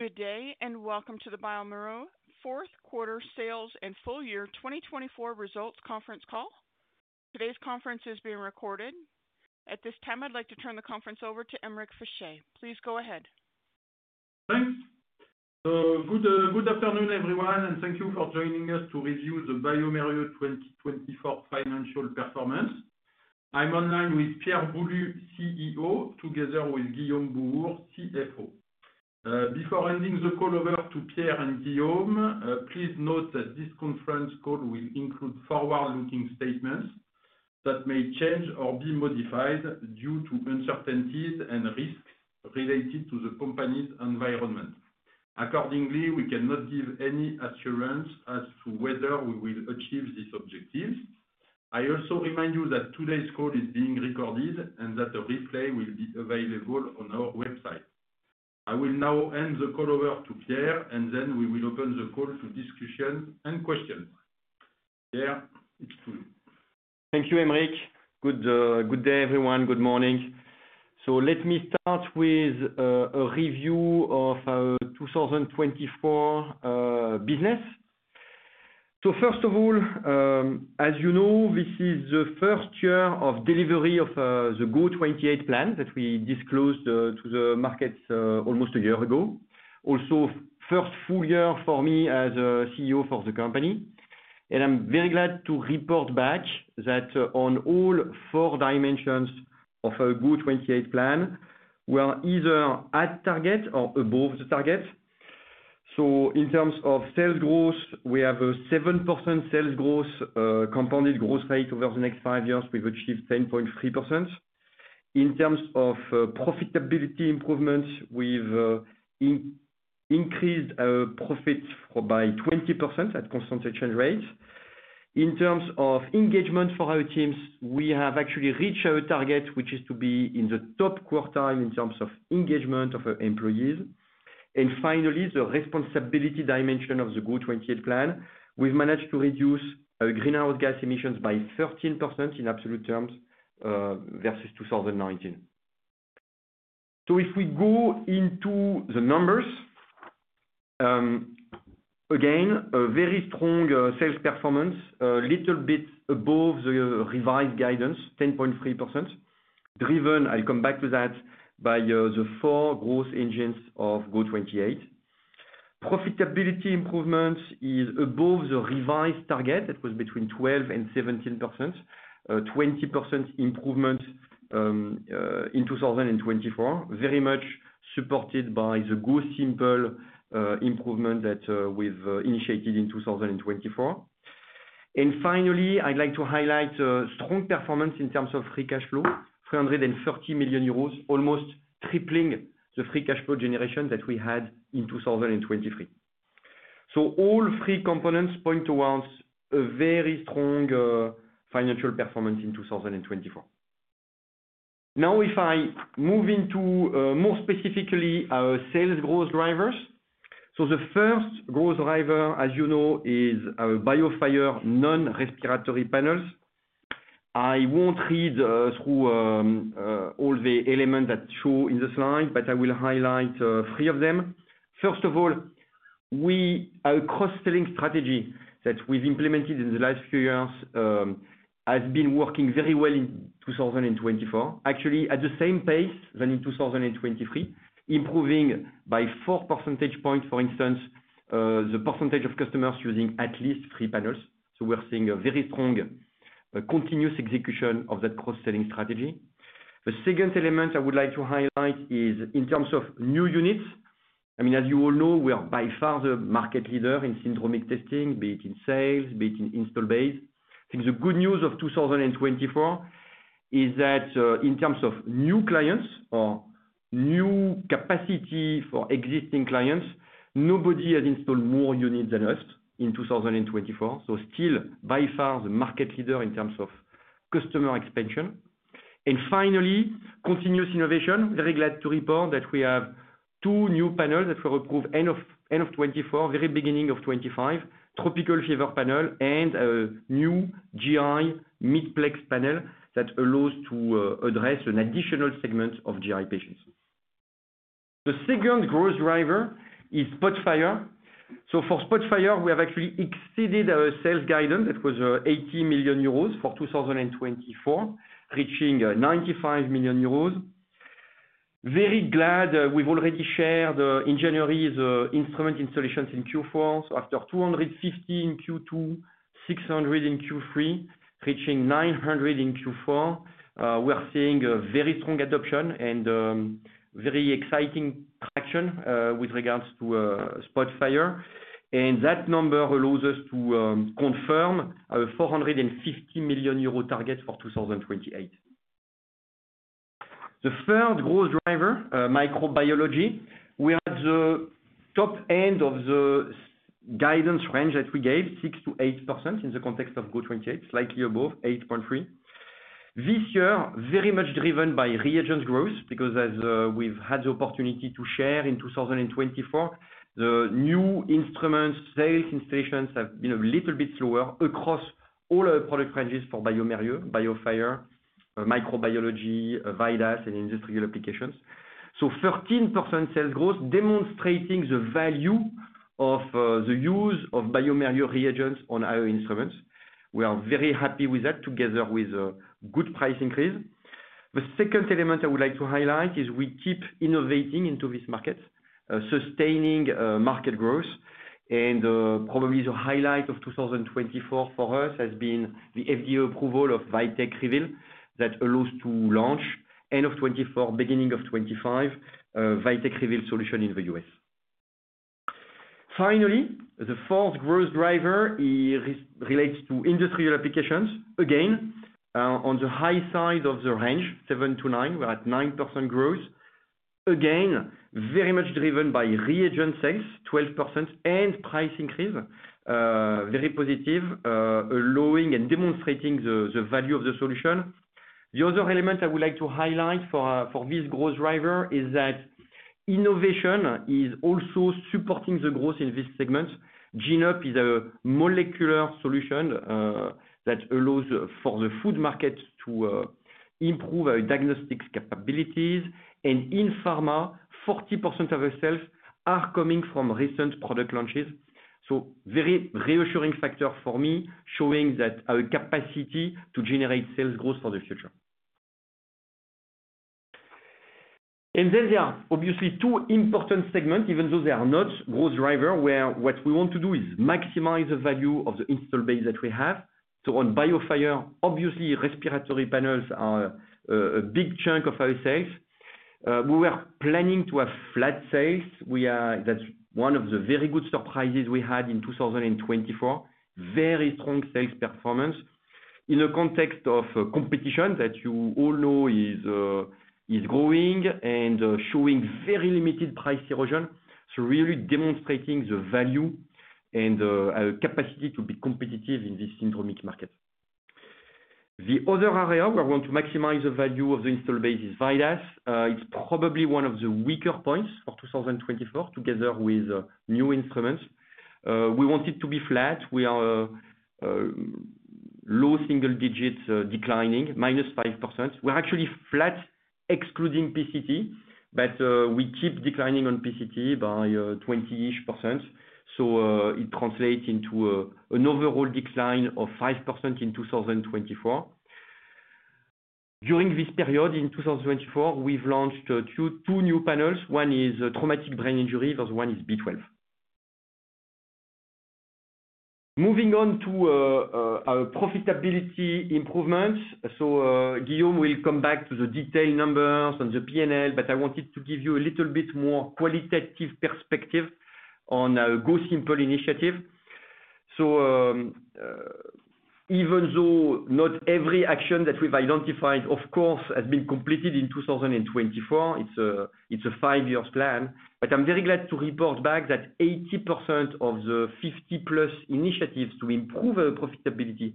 Good day and welcome to the bioMérieux Fourth Quarter Sales and Full Year 2024 Results Conference Call. Today's conference is being recorded. At this time, I'd like to turn the conference over to Aymeric Fichet. Please go ahead. Thanks. Good afternoon, everyone, and thank you for joining us to review the bioMérieux 2024 financial performance. I'm online with Pierre Boulud, CEO, together with Guillaume Bouhours, CFO. Before ending the call, over to Pierre and Guillaume. Please note that this conference call will include forward-looking statements that may change or be modified due to uncertainties and risks related to the company's environment. Accordingly, we cannot give any assurance as to whether we will achieve these objectives. I also remind you that today's call is being recorded and that a replay will be available on our website. I will now end the call over to Pierre, and then we will open the call to discussion and questions. Pierre, it's to you. Thank you, Aymeric. Good day, everyone. Good morning. Let me start with a review of our 2024 business. First of all, as you know, this is the first year of delivery of the GO28 plan that we disclosed to the market almost a year ago. Also, first full year for me as CEO for the company. I am very glad to report back that on all four dimensions of our GO28 plan, we are either at target or above the target. In terms of sales growth, we have a 7% sales growth, compounded growth rate over the next five years, we have achieved 10.3%. In terms of profitability improvements, we have increased our profits by 20% at constant exchange rates. In terms of engagement for our teams, we have actually reached our target, which is to be in the top quartile in terms of engagement of our employees. Finally, the responsibility dimension of the GO28 plan, we've managed to reduce our greenhouse gas emissions by 13% in absolute terms versus 2019. If we go into the numbers, again, a very strong sales performance, a little bit above the revised guidance, 10.3%, driven, I'll come back to that, by the four growth engines of GO28. Profitability improvement is above the revised target. It was between 12-17%, a 20% improvement in 2024, very much supported by the GO Simple improvement that we've initiated in 2024. Finally, I'd like to highlight a strong performance in terms of free cash flow, 330 million euros, almost tripling the free cash flow generation that we had in 2023. All three components point towards a very strong financial performance in 2024. Now, if I move into more specifically our sales growth drivers, the first growth driver, as you know, is our BioFire non-respiratory panels. I will not read through all the elements that show in the slide, but I will highlight three of them. First of all, our cross-selling strategy that we have implemented in the last few years has been working very well in 2024, actually at the same pace as in 2023, improving by 4 percentage points, for instance, the percentage of customers using at least three panels. We are seeing a very strong continuous execution of that cross-selling strategy. The second element I would like to highlight is in terms of new units. I mean, as you all know, we are by far the market leader in syndromic testing, be it in sales, be it in install base. I think the good news of 2024 is that in terms of new clients or new capacity for existing clients, nobody has installed more units than us in 2024. Still, by far, the market leader in terms of customer expansion. Finally, continuous innovation. Very glad to report that we have two new panels that will approve end of 2024, very beginning of 2025, Tropical Fever panel and a new GI midplex panel that allows to address an additional segment of GI patients. The second growth driver is Spotfire. For Spotfire, we have actually exceeded our sales guidance. It was 80 million euros for 2024, reaching 95 million euros. Very glad we've already shared engineering instrument installations in Q4. After 250 in Q2, 600 in Q3, reaching 900 in Q4. We are seeing a very strong adoption and very exciting traction with regards to Spotfire. That number allows us to confirm our 450 million euro target for 2028. The third growth driver, microbiology, we are at the top end of the guidance range that we gave, 6-8% in the context of GO28, slightly above, 8.3%. This year, very much driven by reagent growth because, as we've had the opportunity to share in 2024, the new instruments, sales installations have been a little bit slower across all our product ranges for bioMérieux, BioFire, microbiology, VIDAS, and industrial applications. Thirteen percent sales growth, demonstrating the value of the use of bioMérieux reagents on our instruments. We are very happy with that, together with a good price increase. The second element I would like to highlight is we keep innovating into this market, sustaining market growth. Probably the highlight of 2024 for us has been the FDA approval of VITEK REVEAL that allows to launch end of 2024, beginning of 2025, VITEK REVEAL solution in the US. Finally, the fourth growth driver relates to industrial applications. Again, on the high side of the range, 7-9%, we're at 9% growth. Again, very much driven by reagent sales, 12%, and price increase, very positive, allowing and demonstrating the value of the solution. The other element I would like to highlight for this growth driver is that innovation is also supporting the growth in this segment. GENE-UP is a molecular solution that allows for the food market to improve our diagnostic capabilities. In pharma, 40% of our sales are coming from recent product launches. A very reassuring factor for me, showing that our capacity to generate sales growth for the future. There are obviously two important segments, even though they are not growth drivers, where what we want to do is maximize the value of the install base that we have. On BioFire, obviously, respiratory panels are a big chunk of our sales. We were planning to have flat sales. That's one of the very good surprises we had in 2024, very strong sales performance in the context of competition that you all know is growing and showing very limited price erosion. Really demonstrating the value and our capacity to be competitive in this syndromic market. The other area we want to maximize the value of the install base is VIDAS. It's probably one of the weaker points for 2024, together with new instruments. We want it to be flat. We are low single digit declining, minus 5%. We're actually flat, excluding PCT, but we keep declining on PCT by 20% ish. It translates into an overall decline of 5% in 2024. During this period in 2024, we've launched two new panels. One is traumatic brain injury, the other one is B12. Moving on to our profitability improvements. Guillaume will come back to the detailed numbers on the P&L, but I wanted to give you a little bit more qualitative perspective on our Go Simple initiative. Even though not every action that we've identified, of course, has been completed in 2024, it's a five-year plan. I'm very glad to report back that 80% of the 50-plus initiatives to improve our profitability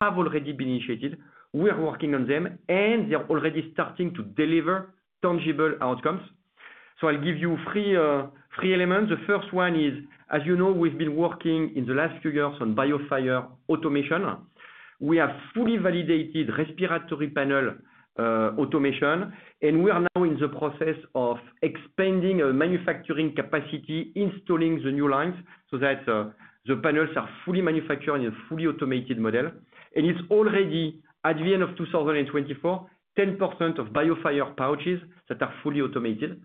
have already been initiated. We're working on them, and they're already starting to deliver tangible outcomes. I'll give you three elements. The first one is, as you know, we've been working in the last few years on BioFire automation. We have fully validated respiratory panel automation, and we are now in the process of expanding our manufacturing capacity, installing the new lines so that the panels are fully manufactured in a fully automated model. It is already, at the end of 2024, 10% of BioFire pouches that are fully automated.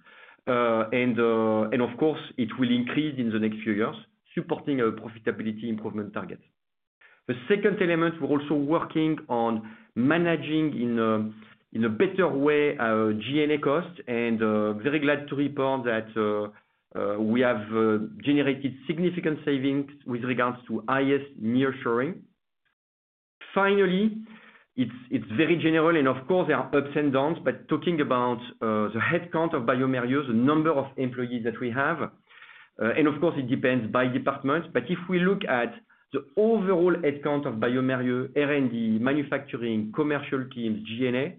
It will increase in the next few years, supporting our profitability improvement target. The second element, we're also working on managing in a better way our G&A cost. Very glad to report that we have generated significant savings with regards to IS nearshoring. Finally, it's very general, and of course, there are ups and downs, but talking about the headcount of bioMérieux, the number of employees that we have, and of course, it depends by department. If we look at the overall headcount of bioMérieux, R&D, manufacturing, commercial teams, G&A,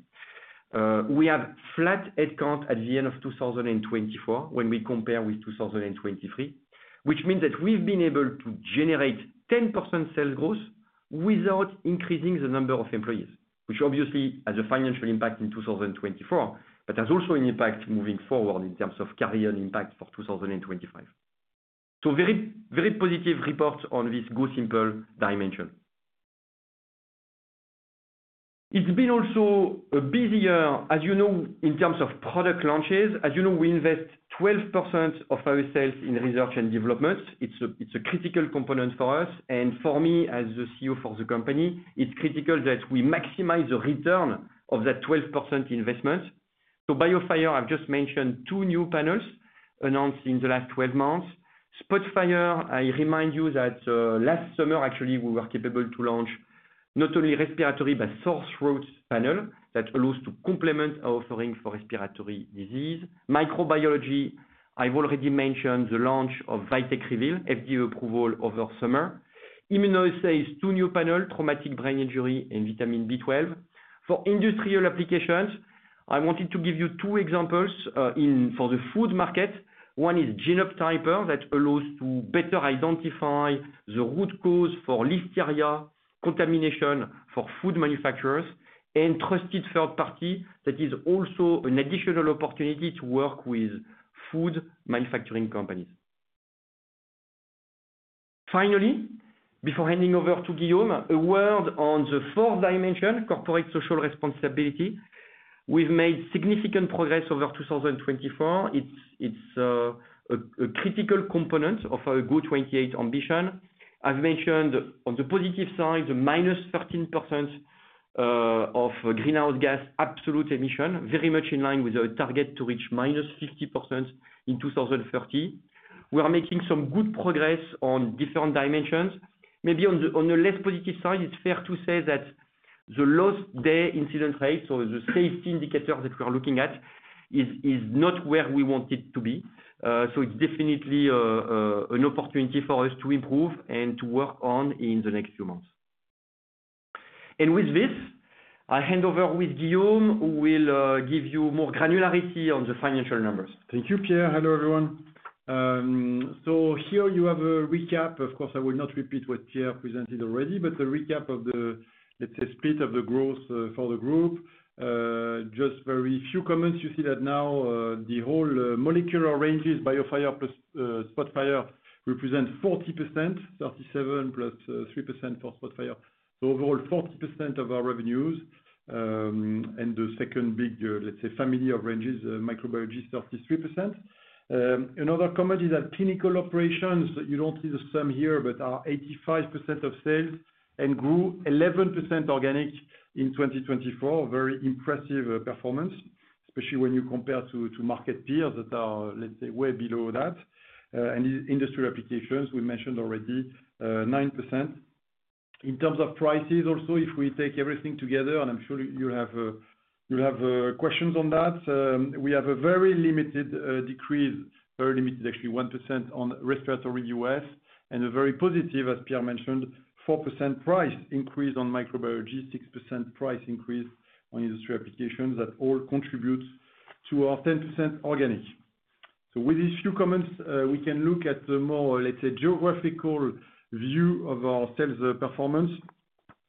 we have flat headcount at the end of 2024 when we compare with 2023, which means that we've been able to generate 10% sales growth without increasing the number of employees, which obviously has a financial impact in 2024, but has also an impact moving forward in terms of carry-on impact for 2025. Very positive report on this Go Simple dimension. It's been also a busy year, as you know, in terms of product launches. As you know, we invest 12% of our sales in research and development. It's a critical component for us. For me, as the CEO for the company, it's critical that we maximize the return of that 12% investment. BioFire, I've just mentioned two new panels announced in the last 12 months. Spotfire, I remind you that last summer, actually, we were capable to launch not only respiratory, but sore throat panel that allows to complement our offering for respiratory disease. Microbiology, I've already mentioned the launch of VITEK REVEAL, FDA approval over summer. Immunoassays, two new panels, traumatic brain injury and vitamin B12. For industrial applications, I wanted to give you two examples for the food market. One is GENE-UP Typers that allows to better identify the root cause for Listeria contamination for food manufacturers and trusted third party that is also an additional opportunity to work with food manufacturing companies. Finally, before handing over to Guillaume, a word on the fourth dimension, corporate social responsibility. We've made significant progress over 2024. It's a critical component of our GO28 ambition. I've mentioned on the positive side, minus 13% of greenhouse gas absolute emission, very much in line with our target to reach minus 50% in 2030. We are making some good progress on different dimensions. Maybe on the less positive side, it's fair to say that the lost day incident rate, so the safety indicator that we are looking at, is not where we want it to be. It's definitely an opportunity for us to improve and to work on in the next few months. With this, I hand over with Guillaume, who will give you more granularity on the financial numbers. Thank you, Pierre. Hello, everyone. Here you have a recap. Of course, I will not repeat what Pierre presented already, but the recap of the, let's say, split of the growth for the group. Just very few comments. You see that now the whole molecular ranges, BioFire plus Spotfire, represent 40%, 37% plus 3% for Spotfire. Overall, 40% of our revenues. The second big, let's say, family of ranges, microbiology, 33%. Another comment is that clinical operations, you don't see the sum here, but are 85% of sales and grew 11% organic in 2024. Very impressive performance, especially when you compare to market peers that are, let's say, way below that. Industrial applications, we mentioned already, 9%. In terms of prices, also, if we take everything together, and I'm sure you'll have questions on that, we have a very limited decrease, very limited, actually, 1% on respiratory US, and a very positive, as Pierre mentioned, 4% price increase on microbiology, 6% price increase on industrial applications that all contribute to our 10% organic. With these few comments, we can look at the more, let's say, geographical view of our sales performance.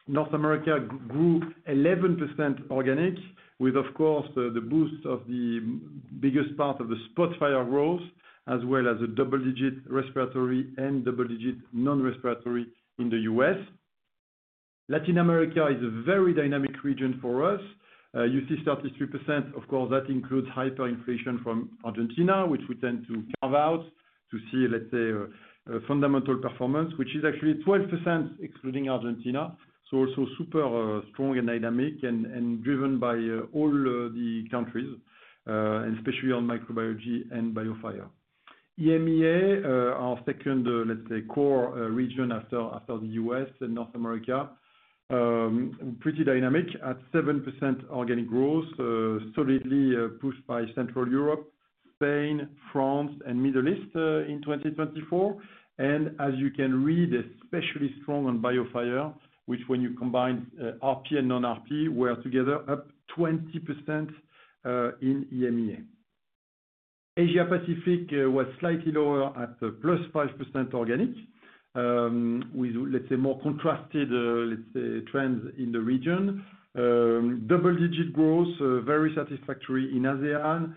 North America grew 11% organic, with, of course, the boost of the biggest part of the Spotfire growth, as well as a double-digit respiratory and double-digit non-respiratory in the US. Latin America is a very dynamic region for us. You see 33%. Of course, that includes hyperinflation from Argentina, which we tend to carve out to see, let's say, fundamental performance, which is actually 12% excluding Argentina. Also super strong and dynamic and driven by all the countries, and especially on microbiology and BioFire. EMEA, our second, let's say, core region after the US and North America, pretty dynamic at 7% organic growth, solidly pushed by Central Europe, Spain, France, and Middle East in 2024. As you can read, especially strong on BioFire, which when you combine RP and non-RP, we're together up 20% in EMEA. Asia-Pacific was slightly lower at plus 5% organic, with, let's say, more contrasted, let's say, trends in the region. Double-digit growth, very satisfactory in ASEAN,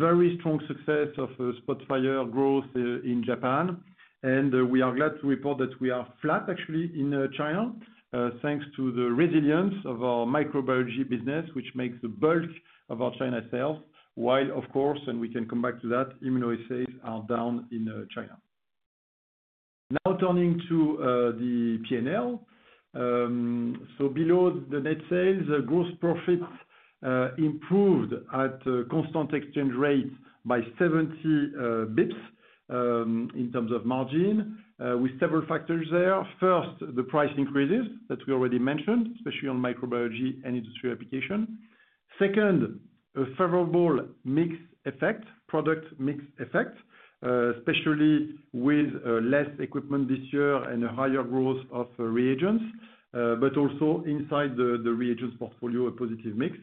very strong success of Spotfire growth in Japan. We are glad to report that we are flat, actually, in China, thanks to the resilience of our microbiology business, which makes the bulk of our China sales, while, of course, and we can come back to that, immunoassays are down in China. Now turning to the P&L. Below the net sales, gross profit improved at constant exchange rate by 70 basis points in terms of margin, with several factors there. First, the price increases that we already mentioned, especially on microbiology and industrial application. Second, a favorable mix effect, product mix effect, especially with less equipment this year and a higher growth of reagents, but also inside the reagents portfolio, a positive mix.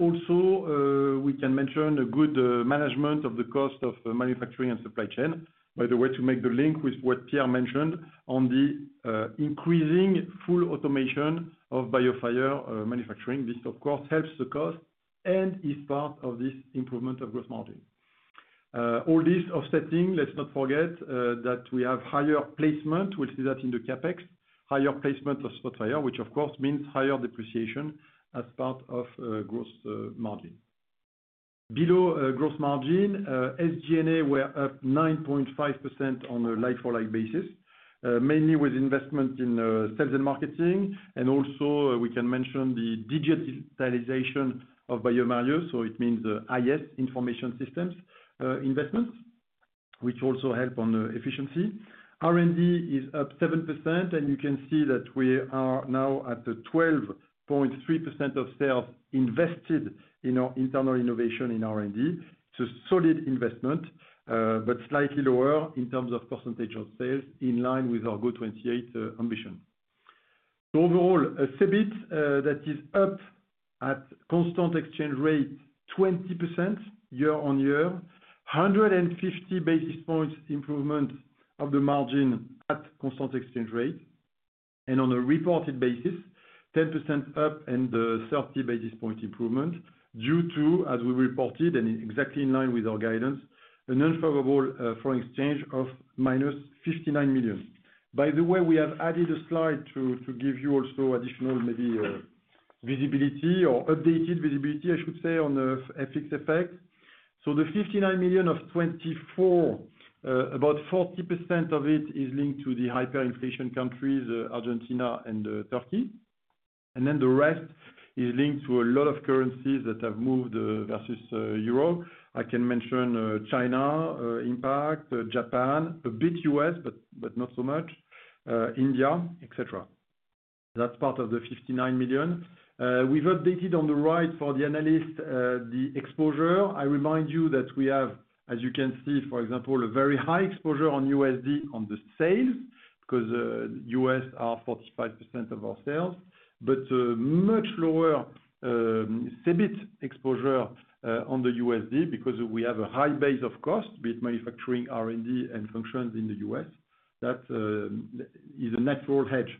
Also, we can mention a good management of the cost of manufacturing and supply chain, by the way, to make the link with what Pierre mentioned on the increasing full automation of BioFire manufacturing. This, of course, helps the cost and is part of this improvement of gross margin. All this offsetting, let's not forget that we have higher placement. We'll see that in the CapEx, higher placement of Spotfire, which, of course, means higher depreciation as part of gross margin. Below gross margin, SG&A were up 9.5% on a like-for-like basis, mainly with investment in sales and marketing. Also, we can mention the digitalization of bioMérieux. It means IS information systems investments, which also help on efficiency. R&D is up 7%, and you can see that we are now at 12.3% of sales invested in our internal innovation in R&D. It's a solid investment, but slightly lower in terms of percentage of sales in line with our GO28 ambition. Overall, n CEBIT that is up at constant exchange rate, 20% year on year, 150 basis points improvement of the margin at constant exchange rate. On a reported basis, 10% up and 30 basis point improvement due to, as we reported and exactly in line with our guidance, an unfavorable foreign exchange of 59 million. By the way, we have added a slide to give you also additional maybe visibility or updated visibility, I should say, on the FX effect. The 59 million of 2024, about 40% of it is linked to the hyperinflation countries, Argentina and Turkey. The rest is linked to a lot of currencies that have moved versus Europe. I can mention China impact, Japan, a bit US, but not so much, India, etc. That is part of the 59 million. We have updated on the right for the analyst, the exposure. I remind you that we have, as you can see, for example, a very high exposure on USD on the sales because US are 45% of our sales, but a much lower CEBIT exposure on the USD because we have a high base of cost, be it manufacturing, R&D, and functions in the US. That is a natural hedge.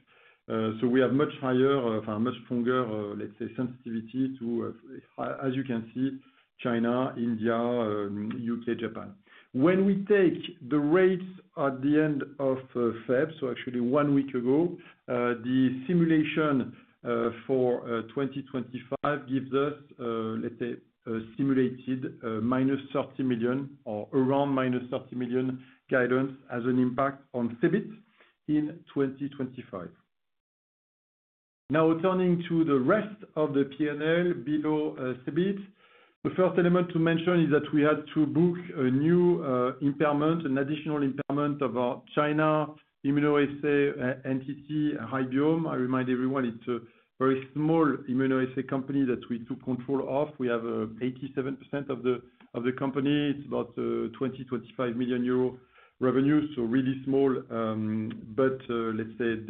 We have much higher, much stronger, let's say, sensitivity to, as you can see, China, India, U.K., Japan. When we take the rates at the end of February, so actually one week ago, the simulation for 2025 gives us, let's say, a simulated minus 30 million or around minus 30 million guidance as an impact on CEBIT in 2025. Now turning to the rest of the P&L below CEBIT, the first element to mention is that we had to book a new impairment, an additional impairment of our China immunoassay entity, Hybiome. I remind everyone, it's a very small immunoassay company that we took control of. We have 87% of the company. It's about 20-25 million euro revenue, so really small. Let's say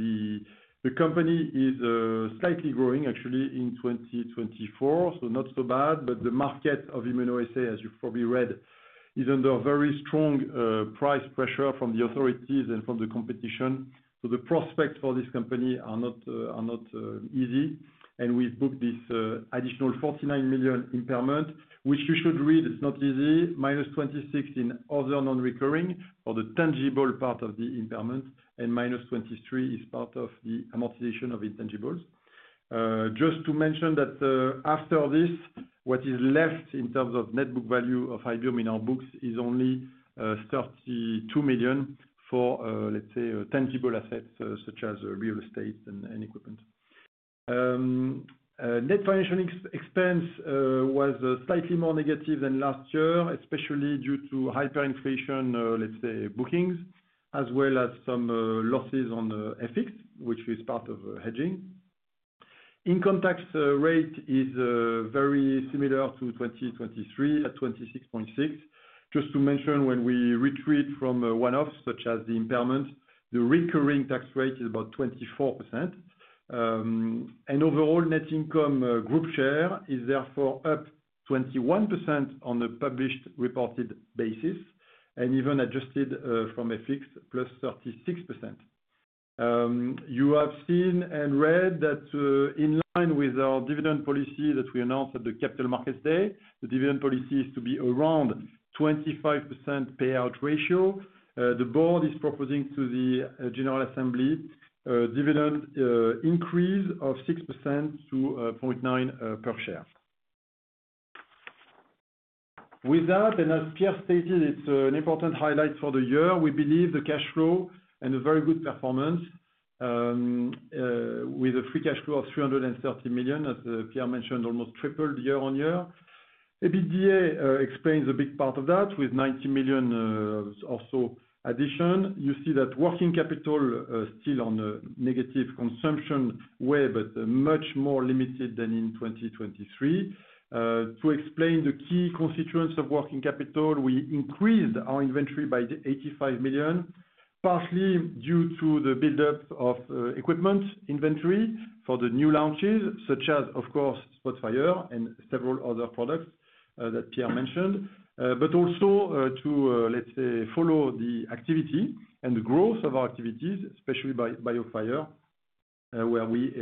the company is slightly growing, actually, in 2024, so not so bad. The market of immunoassay, as you've probably read, is under very strong price pressure from the authorities and from the competition. The prospects for this company are not easy. We have booked this additional 49 million impairment, which you should read. It is not easy. Minus 26 million in other non-recurring for the tangible part of the impairment, and minus 23 million as part of the amortization of intangibles. Just to mention that after this, what is left in terms of net book value of Hybiome in our books is only 32 million for, let's say, tangible assets such as real estate and equipment. Net financial expense was slightly more negative than last year, especially due to hyperinflation, let's say, bookings, as well as some losses on FX, which is part of hedging. Income tax rate is very similar to 2023 at 26.6%. Just to mention, when we retreat from one-offs such as the impairment, the recurring tax rate is about 24%. Overall, net income group share is therefore up 21% on a published reported basis and even adjusted from a fixed plus 36%. You have seen and read that in line with our dividend policy that we announced at the Capital Markets Day, the dividend policy is to be around 25% payout ratio. The board is proposing to the General Assembly a dividend increase of 6% to 0.9 per share. With that, and as Pierre stated, it is an important highlight for the year. We believe the cash flow and a very good performance with a free cash flow of 330 million, as Pierre mentioned, almost tripled year on year. EBITDA explains a big part of that with 90 million or so addition. You see that working capital still on a negative consumption way, but much more limited than in 2023. To explain the key constituents of working capital, we increased our inventory by 85 million, partly due to the buildup of equipment inventory for the new launches, such as, of course, Spotfire and several other products that Pierre mentioned, but also to, let's say, follow the activity and the growth of our activities, especially by BioFire, where we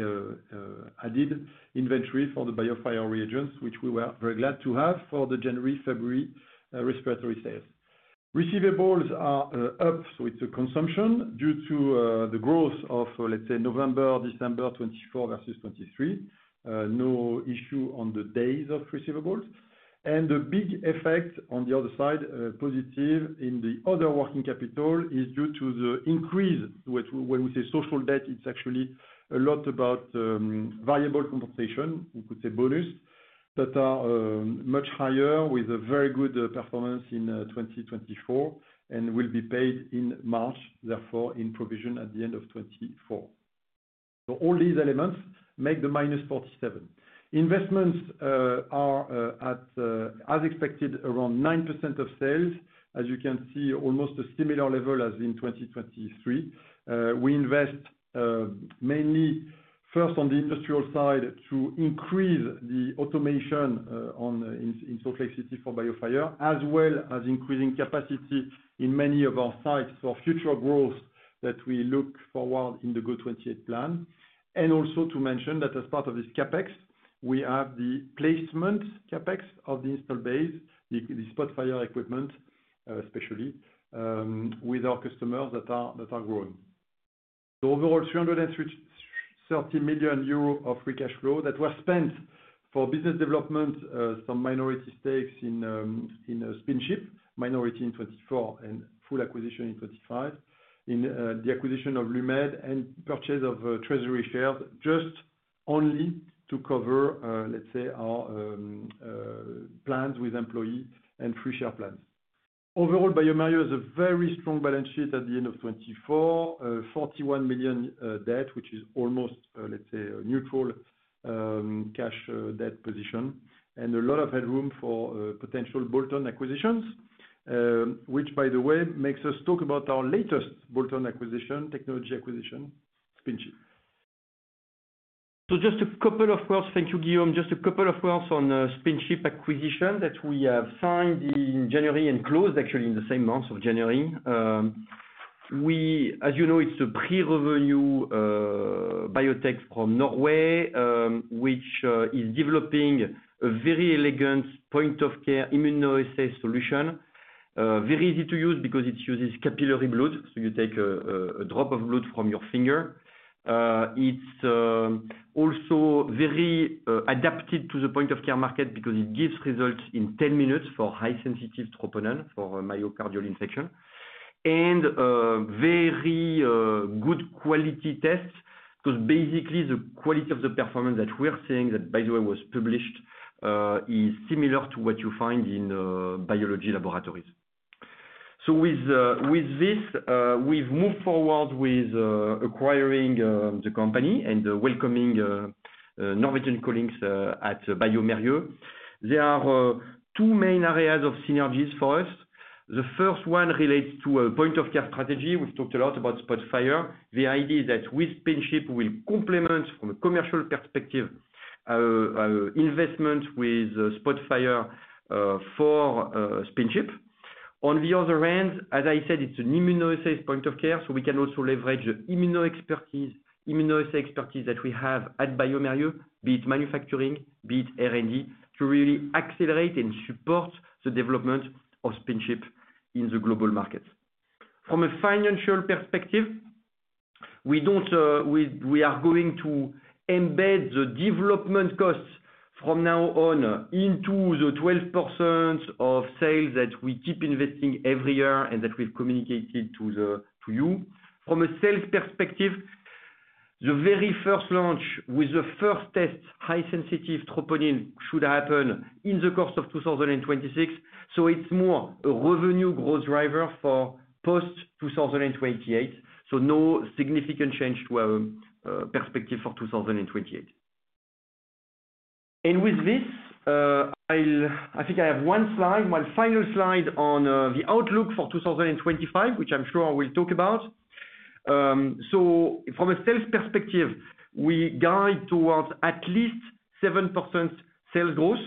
added inventory for the BioFire reagents, which we were very glad to have for the January-February respiratory sales. Receivables are up, so it's a consumption due to the growth of, let's say, November, December 2024 versus 2023. No issue on the days of receivables. The big effect on the other side, positive in the other working capital, is due to the increase. When we say social debt, it's actually a lot about variable compensation, we could say bonus, that are much higher with a very good performance in 2024 and will be paid in March, therefore in provision at the end of 2024. All these elements make the minus 47. Investments are at, as expected, around 9% of sales. As you can see, almost a similar level as in 2023. We invest mainly first on the industrial side to increase the automation in Salt Lake City for BioFire, as well as increasing capacity in many of our sites for future growth that we look forward to in the GO28 plan. Also to mention that as part of this CapEx, we have the placement CapEx of the install base, the Spotfire equipment, especially with our customers that are growing. Overall, 330 million euro of free cash flow that were spent for business development, some minority stakes in SpinChip, minority in 2024, and full acquisition in 2025, in the acquisition of Lumed and purchase of treasury shares, just only to cover, let's say, our plans with employees and free share plans. Overall, bioMérieux has a very strong balance sheet at the end of 2024, 41 million debt, which is almost, let's say, a neutral cash debt position, and a lot of headroom for potential bolt-on acquisitions, which, by the way, makes us talk about our latest bolt-on acquisition, technology acquisition, SpinChip. Just a couple of words. Thank you, Guillaume. Just a couple of words on SpinChip acquisition that we have signed in January and closed, actually, in the same month of January. As you know, it's a pre-revenue biotech from Norway, which is developing a very elegant point-of-care immunoassay solution, very easy to use because it uses capillary blood. You take a drop of blood from your finger. It is also very adapted to the point-of-care market because it gives results in 10 minutes for high-sensitive troponin for myocardial infarction. Very good quality tests because basically the quality of the performance that we're seeing, that by the way was published, is similar to what you find in biology laboratories. With this, we've moved forward with acquiring the company and welcoming Norwegian colleagues at bioMérieux. There are two main areas of synergies for us. The first one relates to a point-of-care strategy. We've talked a lot about Spotfire. The idea is that with SpinChip, we will complement from a commercial perspective investment with Spotfire for SpinChip. On the other hand, as I said, it's an immunoassay point of care, so we can also leverage the immunoassay expertise that we have at bioMérieux, be it manufacturing, be it R&D, to really accelerate and support the development of SpinChip in the global markets. From a financial perspective, we are going to embed the development costs from now on into the 12% of sales that we keep investing every year and that we've communicated to you. From a sales perspective, the very first launch with the first test high-sensitive troponin should happen in the course of 2026. It is more a revenue growth driver for post-2028. No significant change to our perspective for 2028. With this, I think I have one slide, my final slide on the outlook for 2025, which I'm sure I will talk about. From a sales perspective, we guide towards at least 7% sales growth.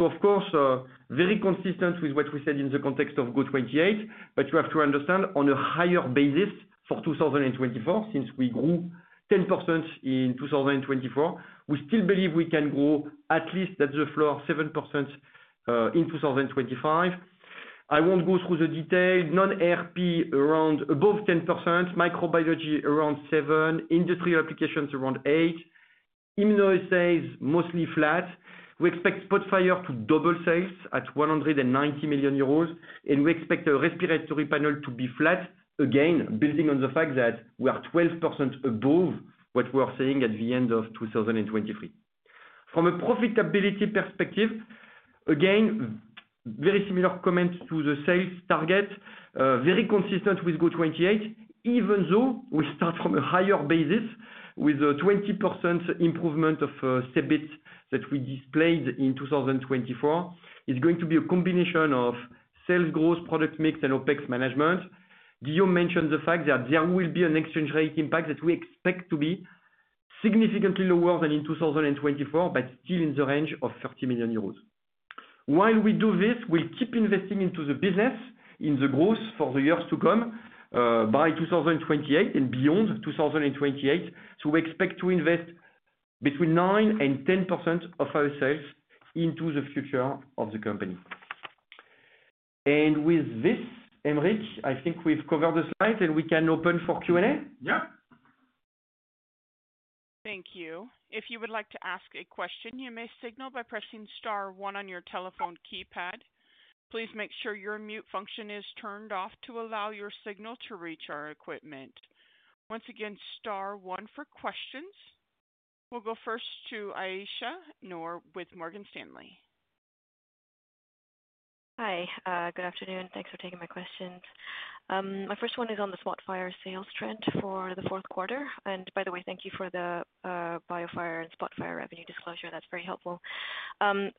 Of course, very consistent with what we said in the context of GO28, but you have to understand on a higher basis for 2024, since we grew 10% in 2024, we still believe we can grow at least, that's the floor, 7% in 2025. I won't go through the detail. Non-RP around above 10%, microbiology around 7%, industrial applications around 8%, immunoassays mostly flat. We expect Spotfire to double sales at 190 million euros, and we expect a respiratory panel to be flat, again, building on the fact that we are 12% above what we are seeing at the end of 2023. From a profitability perspective, again, very similar comment to the sales target, very consistent with GO28, even though we start from a higher basis with a 20% improvement of CEBIT that we displayed in 2024. It's going to be a combination of sales growth, product mix, and OPEX management. Guillaume mentioned the fact that there will be an exchange rate impact that we expect to be significantly lower than in 2024, but still in the range of 30 million euros. While we do this, we'll keep investing into the business, in the growth for the years to come by 2028 and beyond 2028. We expect to invest between 9-10% of our sales into the future of the company. With this, Aymeric, I think we've covered the slides and we can open for Q&A. Yep. Thank you. If you would like to ask a question, you may signal by pressing star one on your telephone keypad. Please make sure your mute function is turned off to allow your signal to reach our equipment. Once again, star one for questions. We'll go first to Ayesha Noor with Morgan Stanley. Hi. Good afternoon. Thanks for taking my questions. My first one is on the Spotfire sales trend for the fourth quarter. By the way, thank you for the BioFire and Spotfire revenue disclosure. That's very helpful. The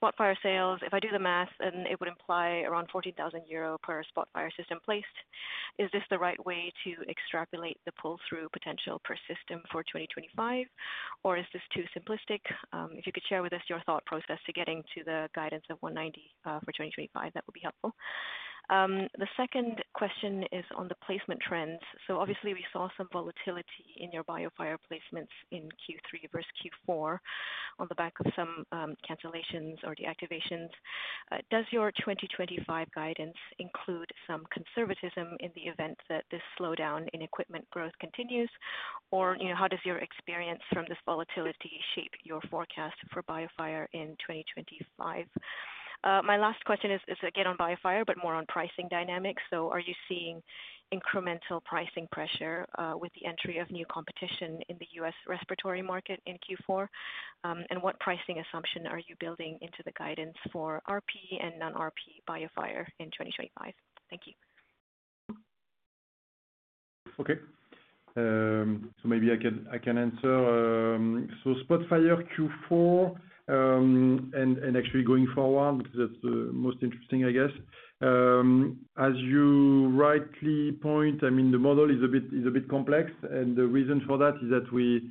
Spotfire sales, if I do the math, then it would imply around 14,000 euro per Spotfire system placed. Is this the right way to extrapolate the pull-through potential per system for 2025, or is this too simplistic? If you could share with us your thought process to getting to the guidance of 190 for 2025, that would be helpful. The second question is on the placement trends. Obviously, we saw some volatility in your BioFire placements in Q3 versus Q4 on the back of some cancellations or deactivations. Does your 2025 guidance include some conservatism in the event that this slowdown in equipment growth continues, or how does your experience from this volatility shape your forecast for BioFire in 2025? My last question is again on BioFire, but more on pricing dynamics. Are you seeing incremental pricing pressure with the entry of new competition in the US respiratory market in Q4? What pricing assumption are you building into the guidance for RP and non-RP BioFire in 2025? Thank you. Okay. Maybe I can answer. Spotfire Q4 and actually going forward, that's the most interesting, I guess. As you rightly point, I mean, the model is a bit complex, and the reason for that is that we,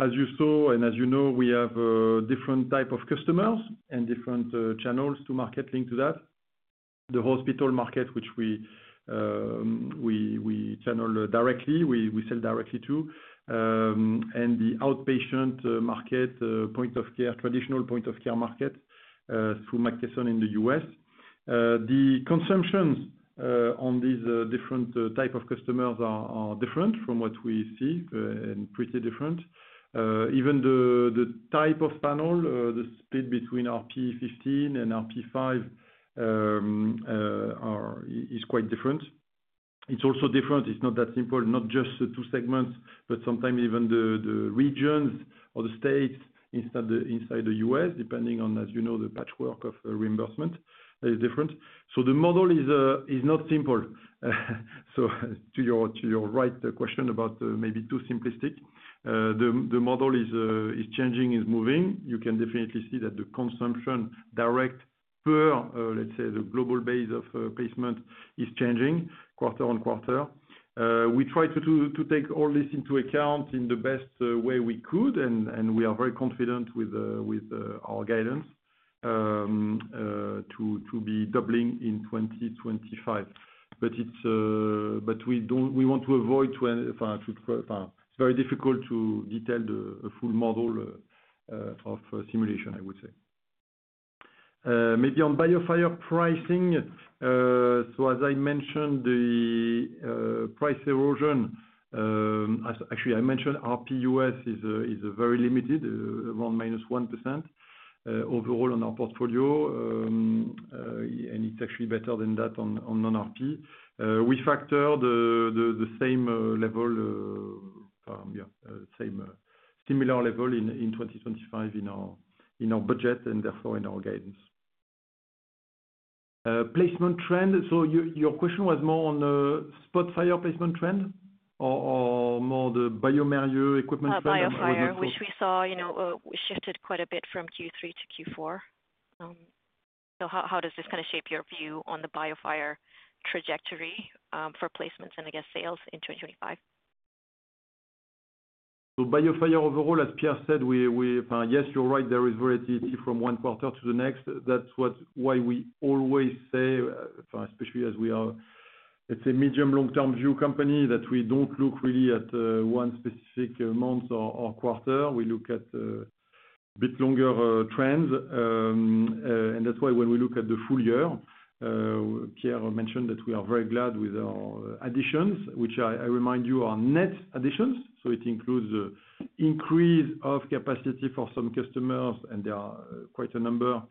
as you saw and as you know, we have different types of customers and different channels to market linked to that. The hospital market, which we channel directly, we sell directly to, and the outpatient market, traditional point-of-care market through McKesson in the US. The consumptions on these different types of customers are different from what we see and pretty different. Even the type of panel, the split between RP15 and RP5 is quite different. It's also different. It's not that simple, not just the two segments, but sometimes even the regions or the states inside the US, depending on, as you know, the patchwork of reimbursement is different. The model is not simple. To your right question about maybe too simplistic, the model is changing, is moving. You can definitely see that the consumption direct per, let's say, the global base of placement is changing quarter on quarter. We try to take all this into account in the best way we could, and we are very confident with our guidance to be doubling in 2025. We want to avoid too very difficult to detail the full model of simulation, I would say. Maybe on BioFire pricing, as I mentioned, the price erosion, actually, I mentioned RP US is very limited, around -1% overall on our portfolio, and it's actually better than that on non-RP. We factor the same level, similar level in 2025 in our budget and therefore in our guidance. Placement trend. Your question was more on the Spotfire placement trend or more the bioMérieux equipment trend? Spotfire, which we saw shifted quite a bit from Q3 to Q4. How does this kind of shape your view on the BioFire trajectory for placements and, I guess, sales in 2025? BioFire overall, as Pierre said, yes, you're right. There is volatility from one quarter to the next. That is why we always say, especially as we are, let's say, medium-long-term view company, that we do not look really at one specific month or quarter. We look at a bit longer trends. That is why when we look at the full year, Pierre mentioned that we are very glad with our additions, which I remind you are net additions. It includes the increase of capacity for some customers, and there are quite a number.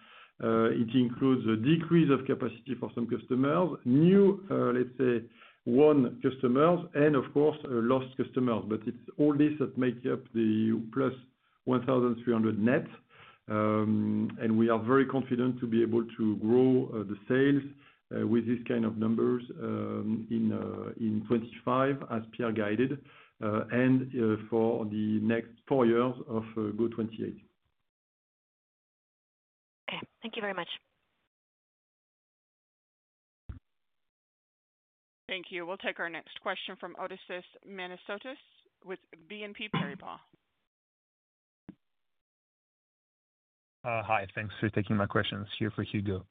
It includes a decrease of capacity for some customers, new, let's say, one customers, and of course, lost customers. It is all this that makes up the plus 1,300 net. We are very confident to be able to grow the sales with these kinds of numbers in 2025, as Pierre guided, and for the next four years of GO28. Okay. Thank you very much. Thank you. We'll take our next question from Odysseas Manesiotis with BNP Paribas. Hi. Thanks for taking my questions. Here for Hugo.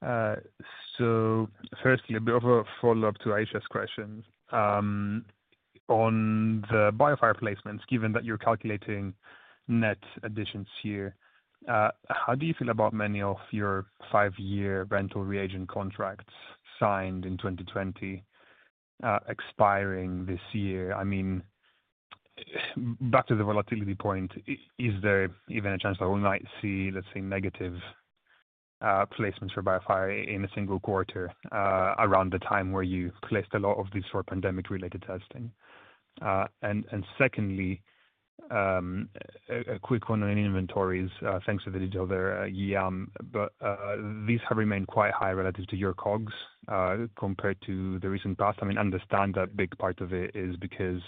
Firstly, a bit of a follow-up to Ayesha's question. On the BioFire placements, given that you're calculating net additions here, how do you feel about many of your five-year rental reagent contracts signed in 2020 expiring this year? I mean, back to the volatility point, is there even a chance that we might see, let's say, negative placements for BioFire in a single quarter around the time where you placed a lot of this for pandemic-related testing? Secondly, a quick one on inventories, thanks for the detail there, Guillaume, but these have remained quite high relative to your COGS compared to the recent past. I mean, I understand that a big part of it is because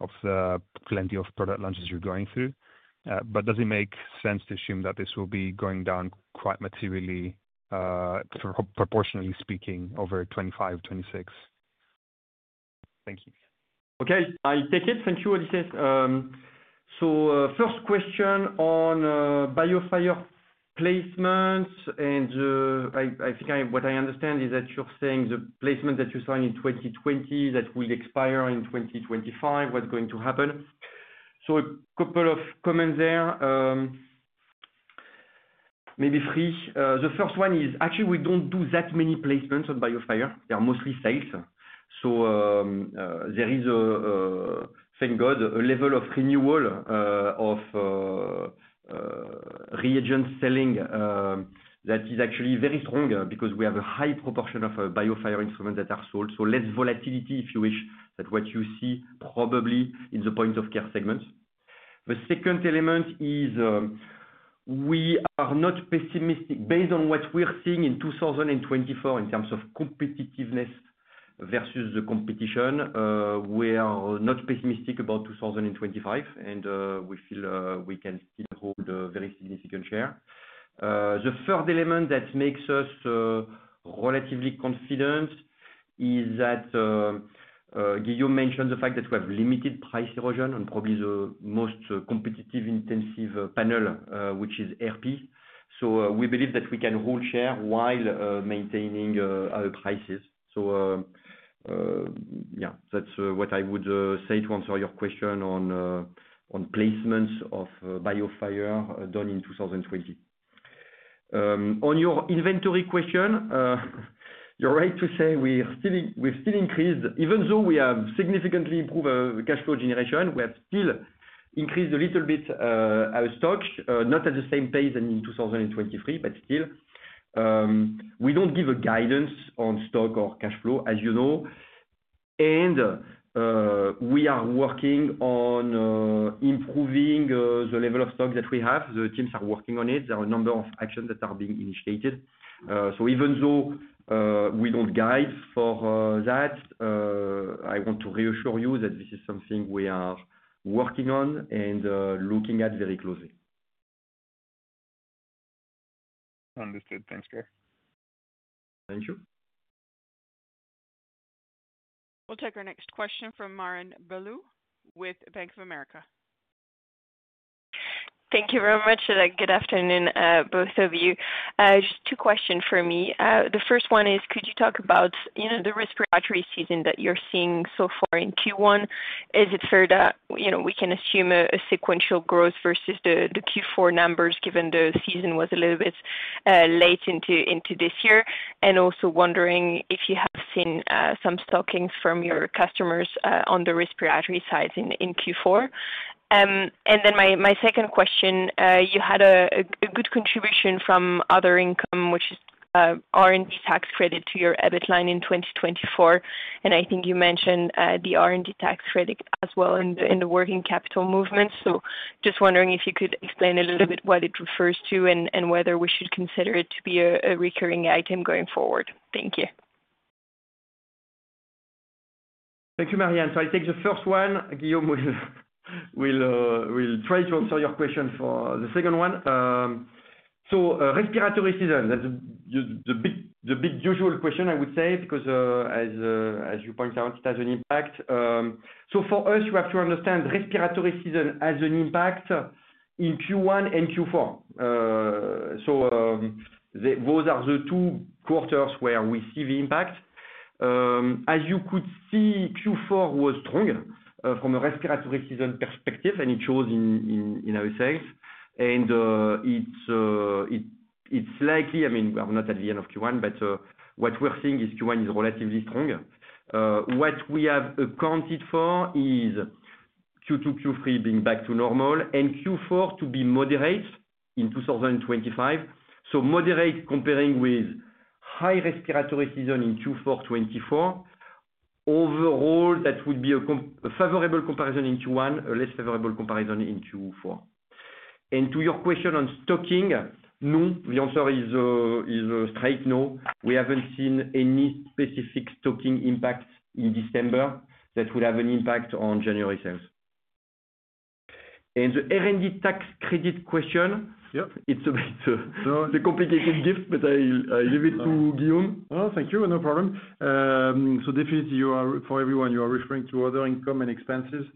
of the plenty of product launches you're going through, but does it make sense to assume that this will be going down quite materially, proportionally speaking, over 2025-2026? Thank you. Okay. I take it. Thank you, Odysseus. First question on BioFire placements, and I think what I understand is that you're saying the placement that you signed in 2020 that will expire in 2025, what's going to happen? A couple of comments there, maybe three. The first one is, actually, we don't do that many placements on BioFire They're mostly sales. There is, thank God, a level of renewal of reagent selling that is actually very strong because we have a high proportion of BioFire instruments that are sold. Less volatility, if you wish, than what you see probably in the point-of-care segments. The second element is we are not pessimistic based on what we're seeing in 2024 in terms of competitiveness versus the competition. We are not pessimistic about 2025, and we feel we can still hold a very significant share. The third element that makes us relatively confident is that Guillaume mentioned the fact that we have limited price erosion on probably the most competitive intensive panel, which is RP. We believe that we can hold share while maintaining our prices. Yeah, that's what I would say to answer your question on placements of BioFire done in 2020. On your inventory question, you're right to say we've still increased. Even though we have significantly improved cash flow generation, we have still increased a little bit our stock, not at the same pace than in 2023, but still. We don't give a guidance on stock or cash flow, as you know. We are working on improving the level of stock that we have. The teams are working on it. There are a number of actions that are being initiated. Even though we don't guide for that, I want to reassure you that this is something we are working on and looking at very closely. Understood. Thanks, Pierre. Thank you. We'll take our next question from Marianne Bulot with Bank of America. Thank you very much. Good afternoon, both of you. Just two questions for me. The first one is, could you talk about the respiratory season that you're seeing so far in Q1? Is it fair that we can assume a sequential growth versus the Q4 numbers given the season was a little bit late into this year? I am also wondering if you have seen some stockings from your customers on the respiratory sides in Q4. My second question, you had a good contribution from other income, which is R&D tax credit to your EBIT line in 2024. I think you mentioned the R&D tax credit as well in the working capital movements. I am just wondering if you could explain a little bit what it refers to and whether we should consider it to be a recurring item going forward. Thank you. Thank you, Marianne. I will take the first one. Guillaume will try to answer your question for the second one. Respiratory season, that's the big usual question, I would say, because as you point out, it has an impact. For us, you have to understand respiratory season has an impact in Q1 and Q4. Those are the two quarters where we see the impact. As you could see, Q4 was strong from a respiratory season perspective, and it shows in our sales. It's likely, I mean, we're not at the end of Q1, but what we're seeing is Q1 is relatively strong. What we have accounted for is Q2, Q3 being back to normal, and Q4 to be moderate in 2025. Moderate comparing with high respiratory season in Q4, Q4. Overall, that would be a favorable comparison in Q1, a less favorable comparison in Q4. To your question on stocking, no, the answer is straight no. We have not seen any specific stocking impact in December that would have an impact on January sales. The R&D tax credit question, it is a bit a complicated gift, but I leave it to Guillaume. Oh, thank you. No problem. Definitely, for everyone, you are referring to other income and expenses,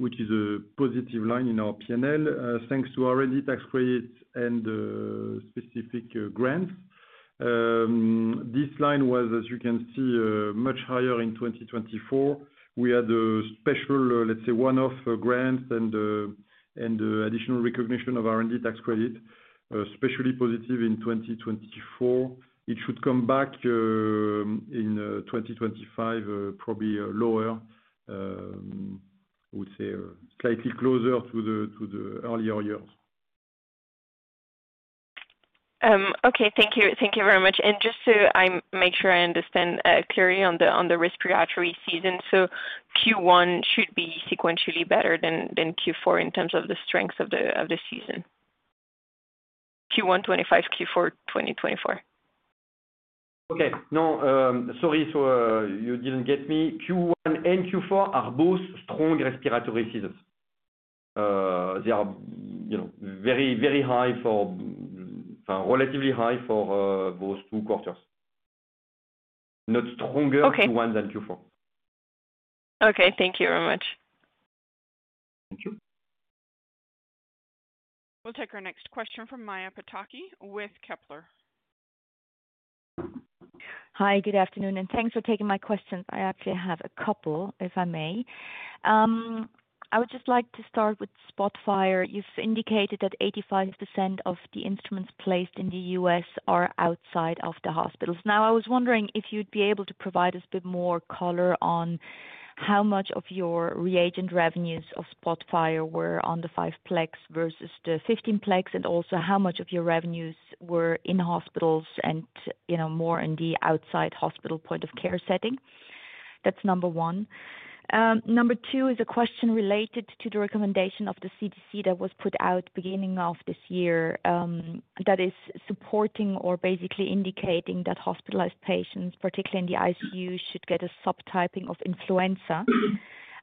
which is a positive line in our P&L. Thanks to R&D tax credits and specific grants. This line was, as you can see, much higher in 2024. We had a special, let's say, one-off grant and additional recognition of R&D tax credit, especially positive in 2024. It should come back in 2025, probably lower, I would say, slightly closer to the earlier years. Okay. Thank you very much. Just to make sure I understand clearly on the respiratory season, Q1 should be sequentially better than Q4 in terms of the strength of the season, Q1, Q2, Q4, 2024. Okay. No, sorry. You did not get me. Q1 and Q4 are both strong respiratory seasons. They are very, very high, relatively high for those two quarters, not stronger Q1 than Q4. Okay. Thank you very much. Thank you. We will take our next question from Maja Pataki with Kepler. Hi, good afternoon, and thanks for taking my questions. I actually have a couple, if I may. I would just like to start with Spotfire. You have indicated that 85% of the instruments placed in the US are outside of the hospitals. Now, I was wondering if you'd be able to provide us a bit more color on how much of your reagent revenues of Spotfire were on the 5-plex versus the 15-plex, and also how much of your revenues were in hospitals and more in the outside hospital point-of-care setting. That's number one. Number two is a question related to the recommendation of the CDC that was put out beginning of this year that is supporting or basically indicating that hospitalized patients, particularly in the ICU, should get a subtyping of influenza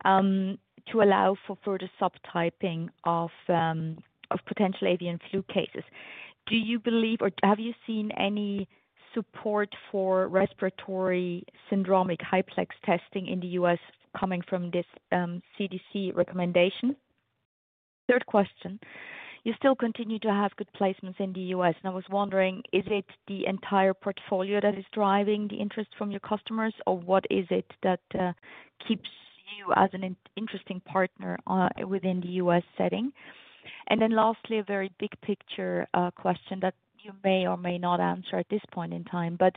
to allow for further subtyping of potential avian flu cases. Do you believe or have you seen any support for respiratory syndromic high-plex testing in the US coming from this CDC recommendation? Third question, you still continue to have good placements in the US. I was wondering, is it the entire portfolio that is driving the interest from your customers, or what is it that keeps you as an interesting partner within the US setting? Lastly, a very big picture question that you may or may not answer at this point in time, but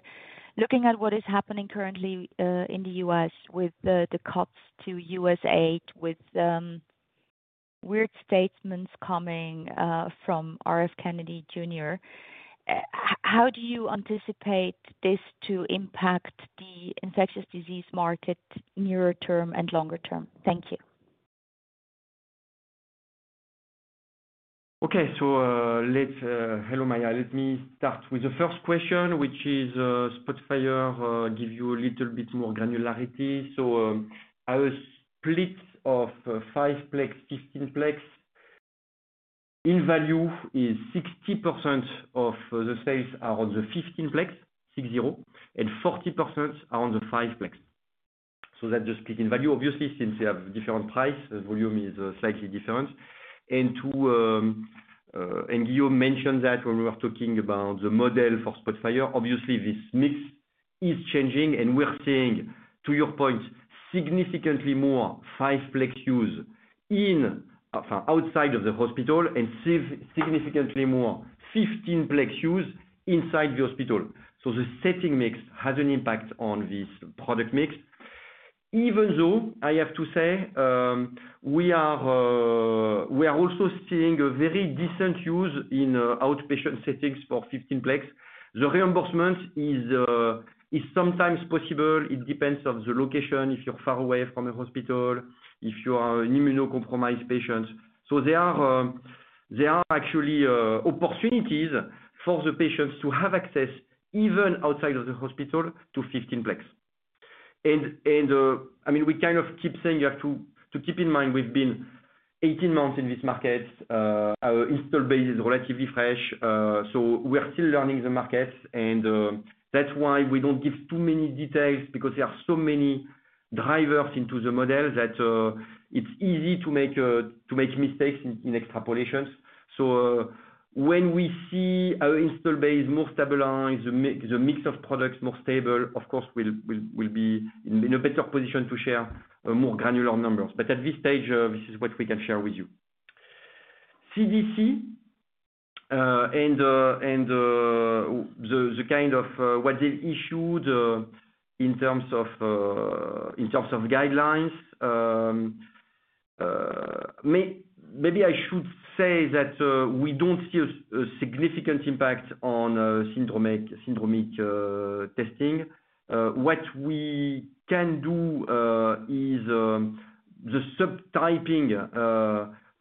looking at what is happening currently in the US with the cuts to USAID, with weird statements coming from RF Kennedy Jr., how do you anticipate this to impact the infectious disease market nearer term and longer term? Thank you. Okay. Hello, Maja. Let me start with the first question, which is Spotfire gives you a little bit more granularity. Our split of 5-plex, 15-plex in value is 60% of the sales are on the 15-plex, 6-0, and 40% are on the 5-plex. That is the split in value. Obviously, since we have different price, volume is slightly different. Guillaume mentioned that when we were talking about the model for Spotfire, this mix is changing. We're seeing, to your point, significantly more 5-plex use outside of the hospital and significantly more 15-plex use inside the hospital. The setting mix has an impact on this product mix. Even though I have to say we are also seeing a very decent use in outpatient settings for 15-plex, the reimbursement is sometimes possible. It depends on the location, if you're far away from the hospital, if you are an immunocompromised patient. There are actually opportunities for the patients to have access even outside of the hospital to 15-plex. I mean, we kind of keep saying you have to keep in mind we've been 18 months in this market. Our install base is relatively fresh. We're still learning the market. That's why we don't give too many details because there are so many drivers into the model that it's easy to make mistakes in extrapolations. When we see our install base more stabilized, the mix of products more stable, of course, we'll be in a better position to share more granular numbers. At this stage, this is what we can share with you. CDC and what they issued in terms of guidelines. Maybe I should say that we don't see a significant impact on syndromic testing. What we can do is the subtyping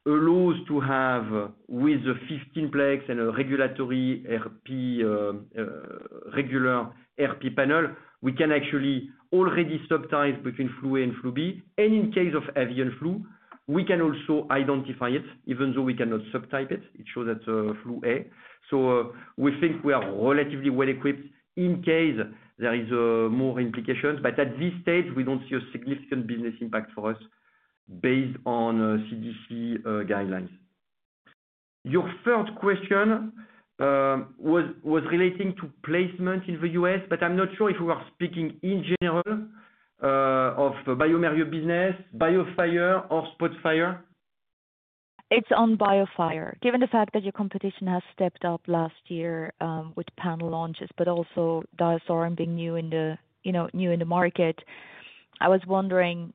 allows to have with the 15-plex and a regulatory RP, regular RP panel, we can actually already subtype between flu A and flu B. In case of avian flu, we can also identify it. Even though we cannot subtype it, it shows that flu A. We think we are relatively well equipped in case there are more implications. At this stage, we do not see a significant business impact for us based on CDC guidelines. Your third question was relating to placement in the US, but I am not sure if we were speaking in general of the bioMérieux business, BioFire, or Spotfire. It is on BioFire. Given the fact that your competition has stepped up last year with panel launches, but also DiaSorin being new in the market, I was wondering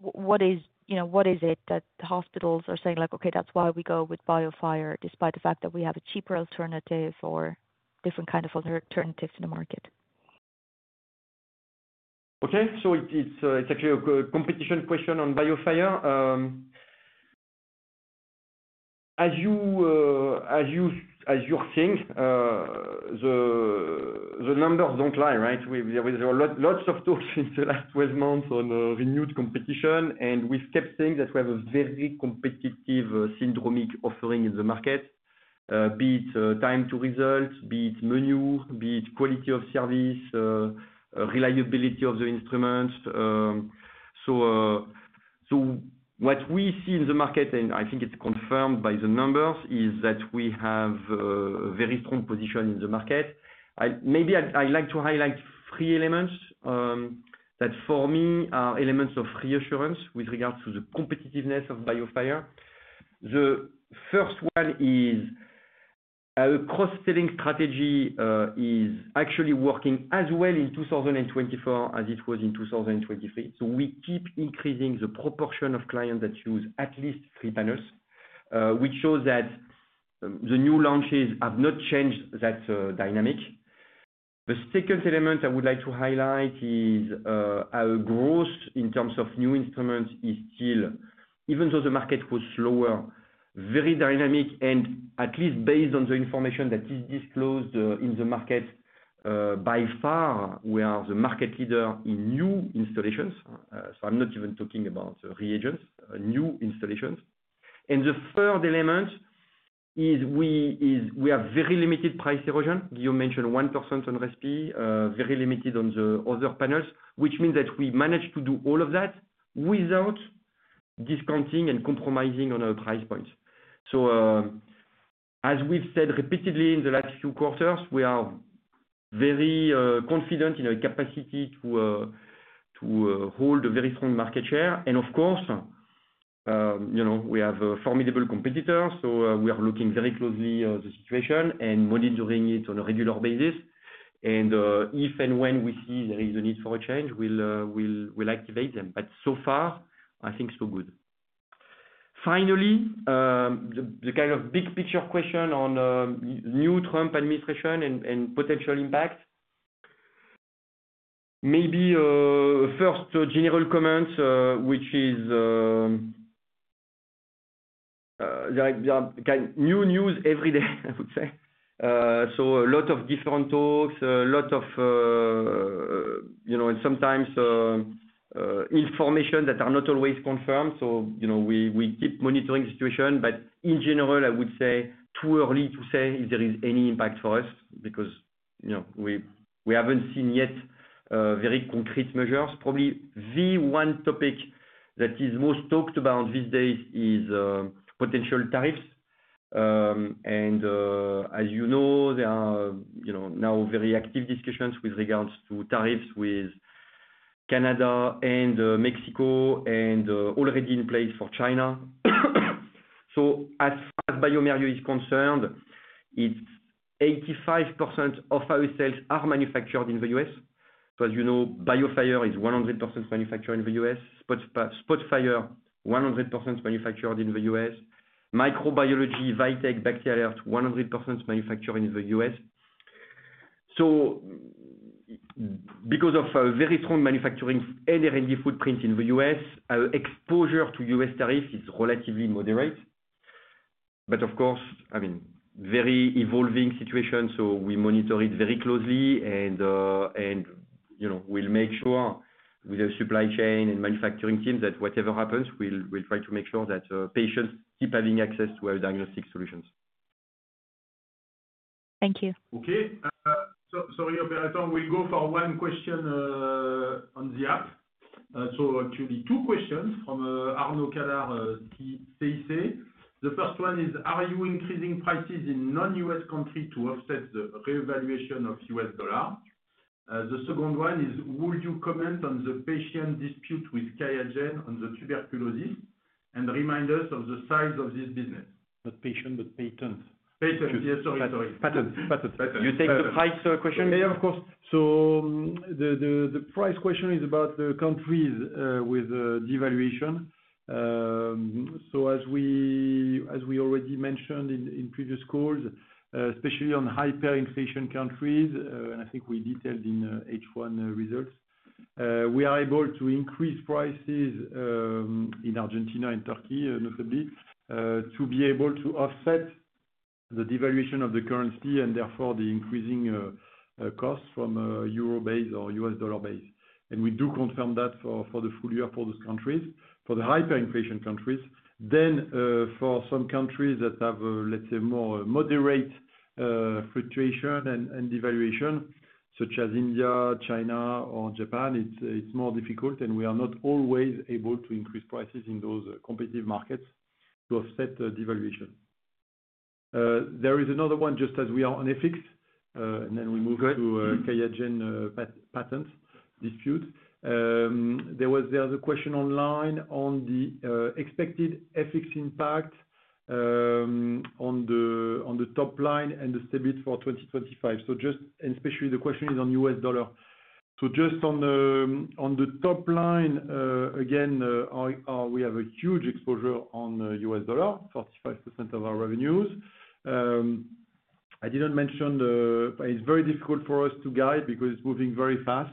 what is it that hospitals are saying like, "Okay, that is why we go with BioFire," despite the fact that we have a cheaper alternative or different kind of alternatives in the market. Okay. It is actually a competition question on BioFire. As you are seeing, the numbers do not lie, right? There were lots of talks in the last 12 months on renewed competition. We kept saying that we have a very competitive syndromic offering in the market, be it time to result, be it menu, be it quality of service, reliability of the instruments. What we see in the market, and I think it's confirmed by the numbers, is that we have a very strong position in the market. Maybe I'd like to highlight three elements that for me are elements of reassurance with regards to the competitiveness of BioFire. The first one is our cross-selling strategy is actually working as well in 2024 as it was in 2023. We keep increasing the proportion of clients that use at least three panels, which shows that the new launches have not changed that dynamic. The second element I would like to highlight is our growth in terms of new instruments is still, even though the market was slower, very dynamic. At least based on the information that is disclosed in the market, by far, we are the market leader in new installations. I am not even talking about reagents, new installations. The third element is we have very limited price erosion. Guillaume mentioned 1% on RESPI, very limited on the other panels, which means that we manage to do all of that without discounting and compromising on our price points. As we have said repeatedly in the last few quarters, we are very confident in our capacity to hold a very strong market share. Of course, we have formidable competitors. We are looking very closely at the situation and monitoring it on a regular basis. If and when we see there is a need for a change, we'll activate them. So far, I think so good. Finally, the kind of big picture question on new Trump administration and potential impact. Maybe first general comment, which is new news every day, I would say. A lot of different talks, a lot of sometimes information that are not always confirmed. We keep monitoring the situation. In general, I would say too early to say if there is any impact for us because we haven't seen yet very concrete measures. Probably the one topic that is most talked about these days is potential tariffs. As you know, there are now very active discussions with regards to tariffs with Canada and Mexico and already in place for China. As far as bioMérieux is concerned, 85% of our cells are manufactured in the US. As you know, BioFire is 100% manufactured in the US. Spotfire, 100% manufactured in the US. Microbiology, VITEK, BACT/ALERT, 100% manufactured in the US. Because of our very strong manufacturing and R&D footprint in the US, our exposure to US tariffs is relatively moderate. Of course, I mean, very evolving situation. We monitor it very closely. We will make sure with our supply chain and manufacturing teams that whatever happens, we will try to make sure that patients keep having access to our diagnostic solutions. Thank you. Okay. Sorry, Operator, we will go for one question on the app. Actually, two questions from Arnaud Cadart-CIC. The first one is, are you increasing prices in non-US countries to offset the revaluation of US dollar? The second one is, would you comment on the patent dispute with Qiagen on the tuberculosis and remind us of the size of this business? Not patient, but patent. Patent. Yes, sorry. Patent. Patent. You take the price question. Yeah, of course. The price question is about the countries with devaluation. As we already mentioned in previous calls, especially on hyperinflation countries, and I think we detailed in H1 results, we are able to increase prices in Argentina and Turkey, notably, to be able to offset the devaluation of the currency and therefore the increasing cost from euro base or US dollar base. We do confirm that for the full year for those countries, for the hyperinflation countries. For some countries that have, let's say, more moderate fluctuation and devaluation, such as India, China, or Japan, it's more difficult. We are not always able to increase prices in those competitive markets to offset devaluation. There is another one just as we are on FX. We move to Qiagen patent dispute. There was a question online on the expected FX impact on the top line and the stability for 2025. Just and especially the question is on US dollar. Just on the top line, again, we have a huge exposure on US dollar, 45% of our revenues. I did not mention it is very difficult for us to guide because it is moving very fast.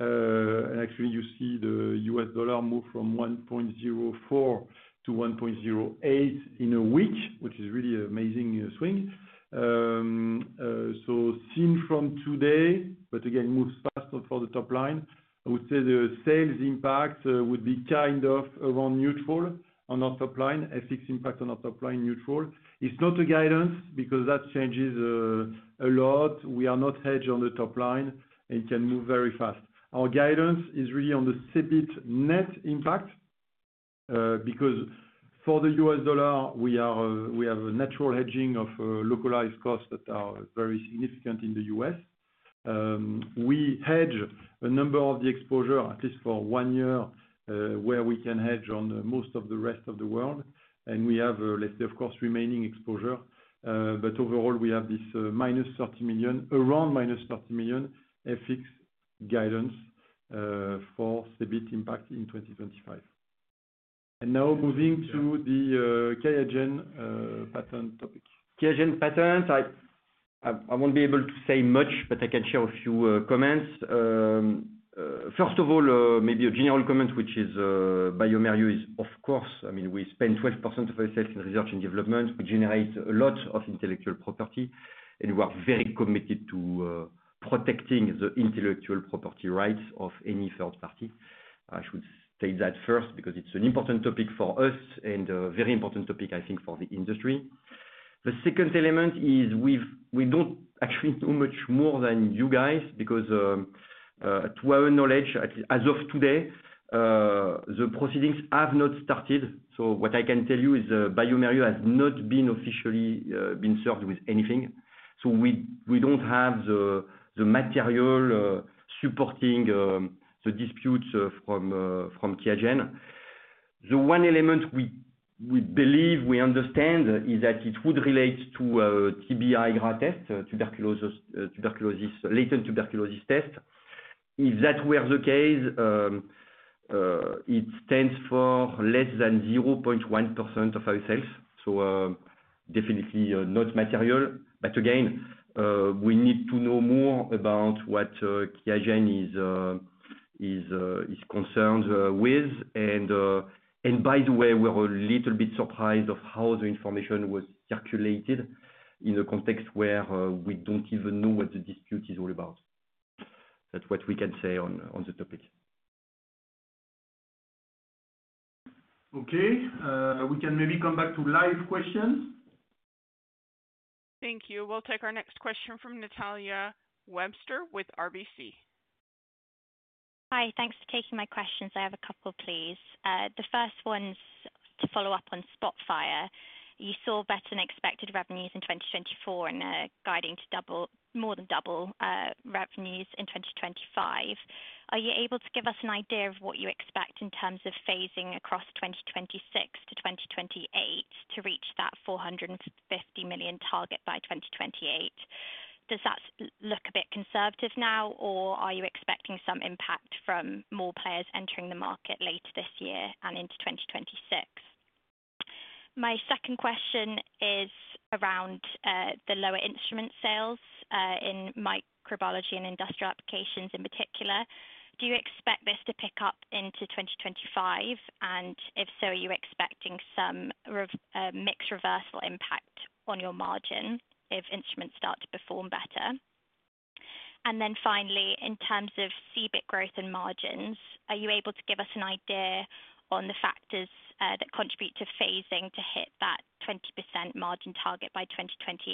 Actually, you see the US dollar move from 1.04 to 1.08 in a week, which is really an amazing swing. Seen from today, but again, moves fast for the top line. I would say the sales impact would be kind of around neutral on our top line. FX impact on our top line, neutral. It's not a guidance because that changes a lot. We are not hedged on the top line. It can move very fast. Our guidance is really on the CEBIT net impact because for the US dollar, we have a natural hedging of localized costs that are very significant in the US. We hedge a number of the exposure, at least for one year, where we can hedge on most of the rest of the world. We have, let's say, of course, remaining exposure. Overall, we have this minus 30 million, around minus 30 million FX guidance for CEBIT impact in 2025. Now moving to the Qiagen patent topic. Qiagen patent, I won't be able to say much, but I can share a few comments. First of all, maybe a general comment, which is bioMérieux is, of course, I mean, we spend 12% of our sales in research and development. We generate a lot of intellectual property. And we are very committed to protecting the intellectual property rights of any third party. I should state that first because it's an important topic for us and a very important topic, I think, for the industry. The second element is we don't actually know much more than you guys because to our knowledge, as of today, the proceedings have not started. What I can tell you is bioMérieux has not been officially been served with anything. We don't have the material supporting the disputes from Qiagen. The one element we believe we understand is that it would relate to TB IGRA test, tuberculosis, latent tuberculosis test. If that were the case, it stands for less than 0.1% of our sales. Definitely not material. Again, we need to know more about what Qiagen is concerned with. By the way, we're a little bit surprised of how the information was circulated in a context where we don't even know what the dispute is all about. That's what we can say on the topic. Okay. We can maybe come back to live questions. Thank you. We'll take our next question from Natalia Webster with RBC. Hi. Thanks for taking my questions. I have a couple, please. The first one's to follow up on Spotfire. You saw better than expected revenues in 2024 and guiding to more than double revenues in 2025. Are you able to give us an idea of what you expect in terms of phasing across 2026 to 2028 to reach that €450 million target by 2028? Does that look a bit conservative now, or are you expecting some impact from more players entering the market later this year and into 2026? My second question is around the lower instrument sales in microbiology and industrial applications in particular. Do you expect this to pick up into 2025? If so, are you expecting some mixed reversal impact on your margin if instruments start to perform better? Finally, in terms of CEBIT growth and margins, are you able to give us an idea on the factors that contribute to phasing to hit that 20% margin target by 2028?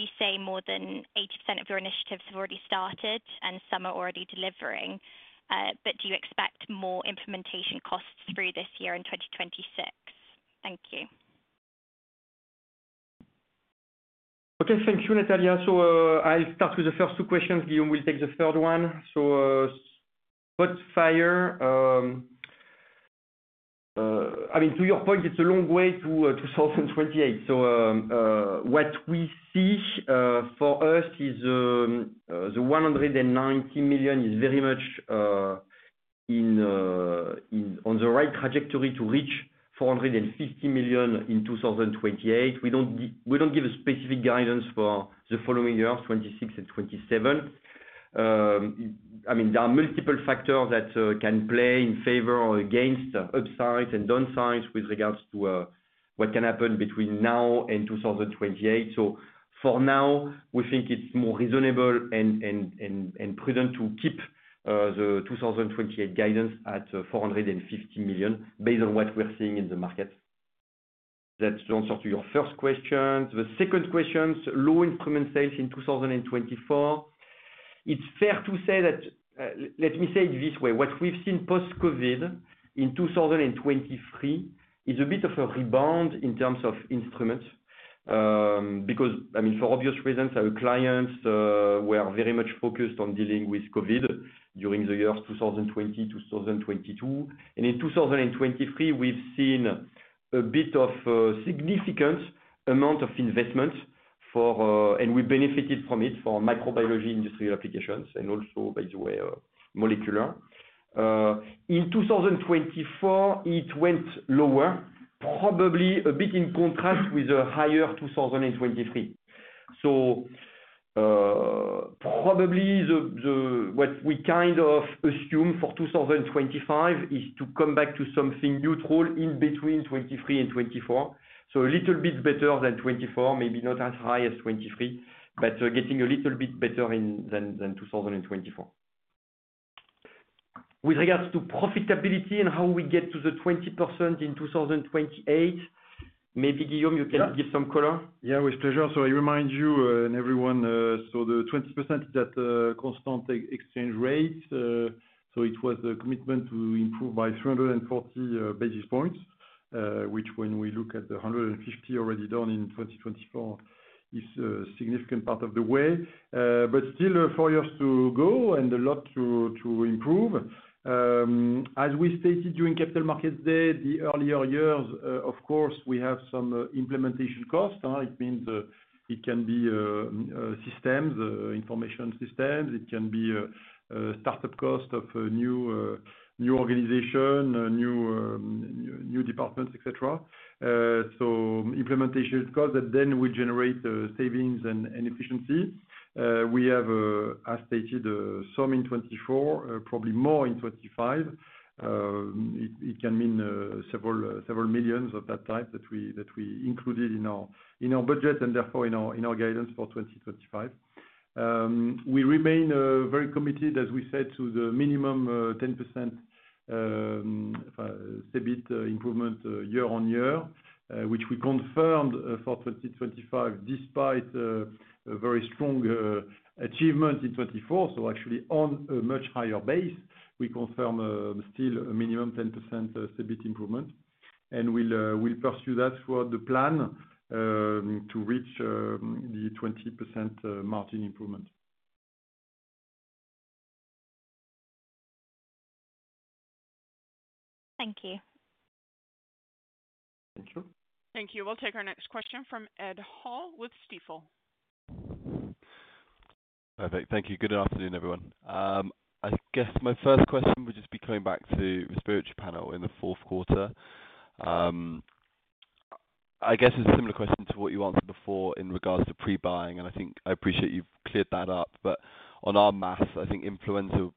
You say more than 80% of your initiatives have already started, and some are already delivering. Do you expect more implementation costs through this year in 2026? Thank you. Okay. Thank you, Natalia. I'll start with the first two questions. Guillaume will take the third one. Spotfire, to your point, it's a long way to 2028. What we see for us is the 190 million is very much on the right trajectory to reach 450 million in 2028. We do not give a specific guidance for the following years, 2026 and 2027. There are multiple factors that can play in favor or against, upsides and downsides with regards to what can happen between now and 2028. For now, we think it's more reasonable and prudent to keep the 2028 guidance at 450 million based on what we're seeing in the market. That answers your first question. The second question, low instrument sales in 2024. It's fair to say that, let me say it this way. What we've seen post-COVID in 2023 is a bit of a rebound in terms of instruments because, I mean, for obvious reasons, our clients were very much focused on dealing with COVID during the years 2020, 2022. In 2023, we've seen a bit of a significant amount of investment, and we benefited from it for microbiology industrial applications and also, by the way, molecular. In 2024, it went lower, probably a bit in contrast with a higher 2023. What we kind of assume for 2025 is to come back to something neutral in between 2023 and 2024. A little bit better than 2024, maybe not as high as 2023, but getting a little bit better than 2024. With regards to profitability and how we get to the 20% in 2028, maybe Guillaume, you can give some color. Yeah, with pleasure. I remind you and everyone, the 20% is at constant exchange rate. It was the commitment to improve by 340 basis points, which when we look at the 150 already done in 2024 is a significant part of the way. Still four years to go and a lot to improve. As we stated during Capital Markets Day, the earlier years, of course, we have some implementation costs. It means it can be systems, information systems. It can be startup cost of new organization, new departments, etc. Implementation costs that then will generate savings and efficiency. We have, as stated, some in 2024, probably more in 2025. It can mean several millions of that type that we included in our budget and therefore in our guidance for 2025. We remain very committed, as we said, to the minimum 10% CEBIT improvement year on year, which we confirmed for 2025 despite very strong achievement in 2024. Actually, on a much higher base, we confirm still a minimum 10% CEBIT improvement. We will pursue that toward the plan to reach the 20% margin improvement. Thank you. Thank you. Thank you. We will take our next question from Ed Hall with Stifel. Perfect. Thank you. Good afternoon, everyone. I guess my first question would just be coming back to the respiratory panel in the fourth quarter. I guess it is a similar question to what you answered before in regards to pre-buying. I think I appreciate you have cleared that up. On our maths, I think influenza-like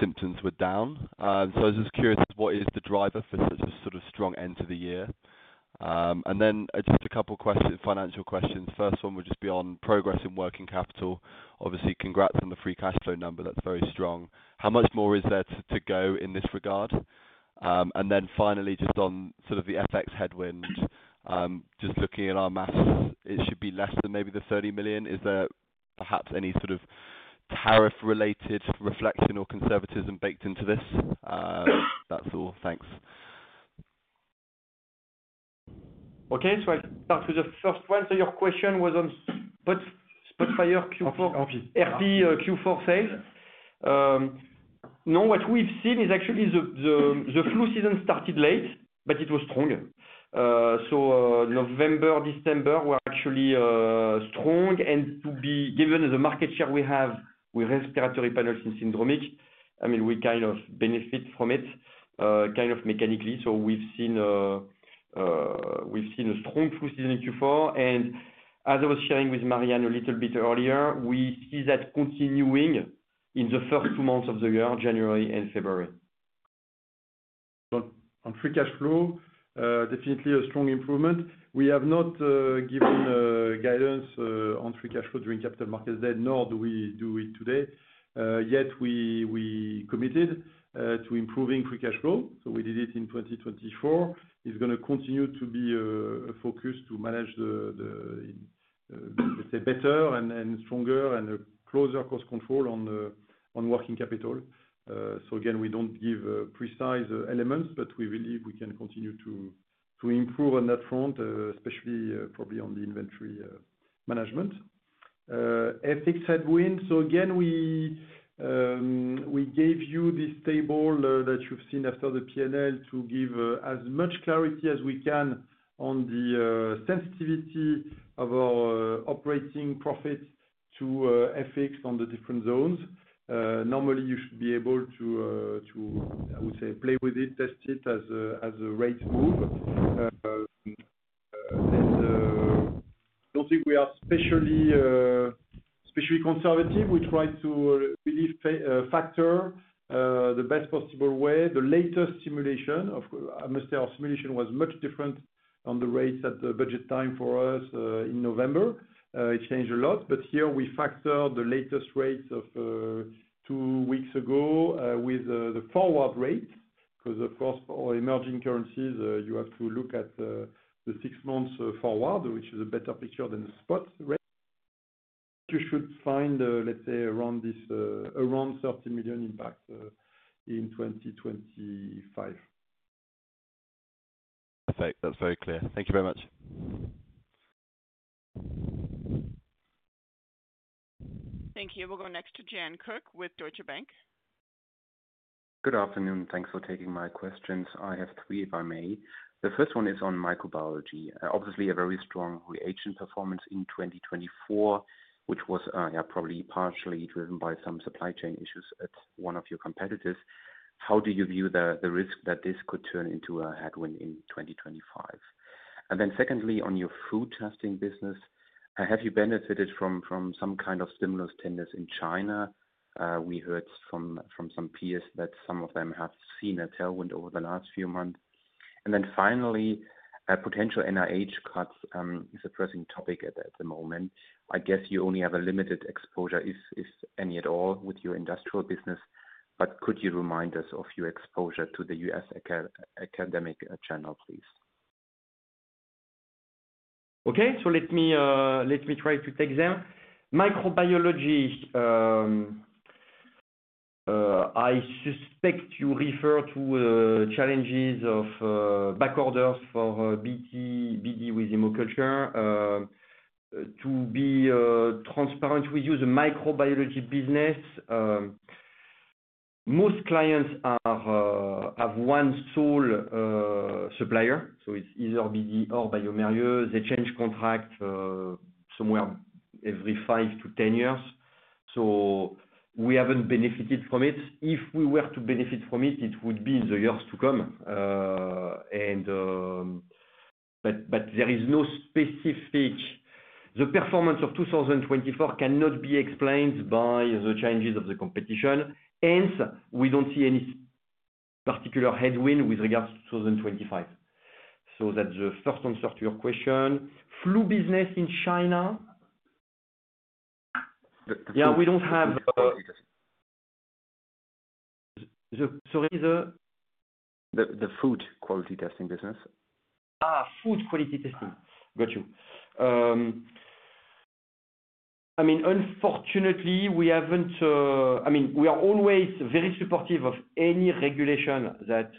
symptoms were down. I was just curious, what is the driver for such a sort of strong end to the year? And then just a couple of financial questions. First one would just be on progress in working capital. Obviously, congrats on the free cash flow number. That's very strong. How much more is there to go in this regard? And then finally, just on sort of the FX headwind, just looking at our maths, it should be less than maybe the 30 million. Is there perhaps any sort of tariff-related reflection or conservatism baked into this? That's all. Thanks. Okay. That was the first one. Your question was on Spotfire Q4 sales. No, what we've seen is actually the flu season started late, but it was strong. November, December were actually strong. To be given the market share we have, we respiratory panels in syndromic, I mean, we kind of benefit from it kind of mechanically. We have seen a strong flu season in Q4. As I was sharing with Marianne a little bit earlier, we see that continuing in the first two months of the year, January and February. On free cash flow, definitely a strong improvement. We have not given guidance on free cash flow during Capital Markets Day, nor do we do it today. Yet we committed to improving free cash flow. We did it in 2024. It is going to continue to be a focus to manage the, let's say, better and stronger and closer cost control on working capital. Again, we do not give precise elements, but we believe we can continue to improve on that front, especially probably on the inventory management. FX headwind. We gave you this table that you've seen after the P&L to give as much clarity as we can on the sensitivity of our operating profit to FX on the different zones. Normally, you should be able to, I would say, play with it, test it as a rate move. I don't think we are especially conservative. We try to really factor the best possible way. The latest simulation, I must say, our simulation was much different on the rates at the budget time for us in November. It changed a lot. Here, we factor the latest rates of two weeks ago with the forward rates because, of course, for emerging currencies, you have to look at the six months forward, which is a better picture than the spot rate. You should find, let's say, around 30 million impact in 2025. Perfect. That's very clear. Thank you very much. Thank you. We'll go next to Jan Koch with Deutsche Bank. Good afternoon. Thanks for taking my questions. I have three, if I may. The first one is on microbiology. Obviously, a very strong reagent performance in 2024, which was probably partially driven by some supply chain issues at one of your competitors. How do you view the risk that this could turn into a headwind in 2025? Secondly, on your food testing business, have you benefited from some kind of stimulus tenders in China? We heard from some peers that some of them have seen a tailwind over the last few months. Finally, potential NIH cuts is a pressing topic at the moment. I guess you only have a limited exposure, if any at all, with your industrial business. Could you remind us of your exposure to the US academic channel, please? Okay. Let me try to take them. Microbiology, I suspect you refer to challenges of backorders for BD with hemoculture. To be transparent with you, the microbiology business, most clients have one sole supplier. So it's either BD or bioMérieux. They change contracts somewhere every 5-10 years. We haven't benefited from it. If we were to benefit from it, it would be in the years to come. There is no specific, the performance of 2024 cannot be explained by the challenges of the competition. Hence, we don't see any particular headwind with regards to 2025. That's the first answer to your question. Flu business in China? Yeah, we don't have, sorry, the food quality testing business. Food quality testing. Got you. I mean, unfortunately, we have not, I mean, we are always very supportive of any regulation that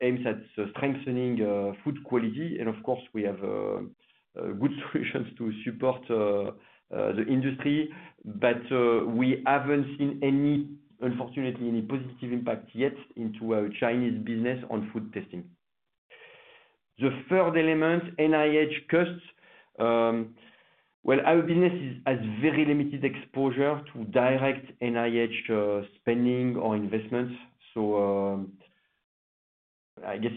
aims at strengthening food quality. Of course, we have good solutions to support the industry. We have not seen any, unfortunately, any positive impact yet into our Chinese business on food testing. The third element, NIH cuts. Our business has very limited exposure to direct NIH spending or investments. I guess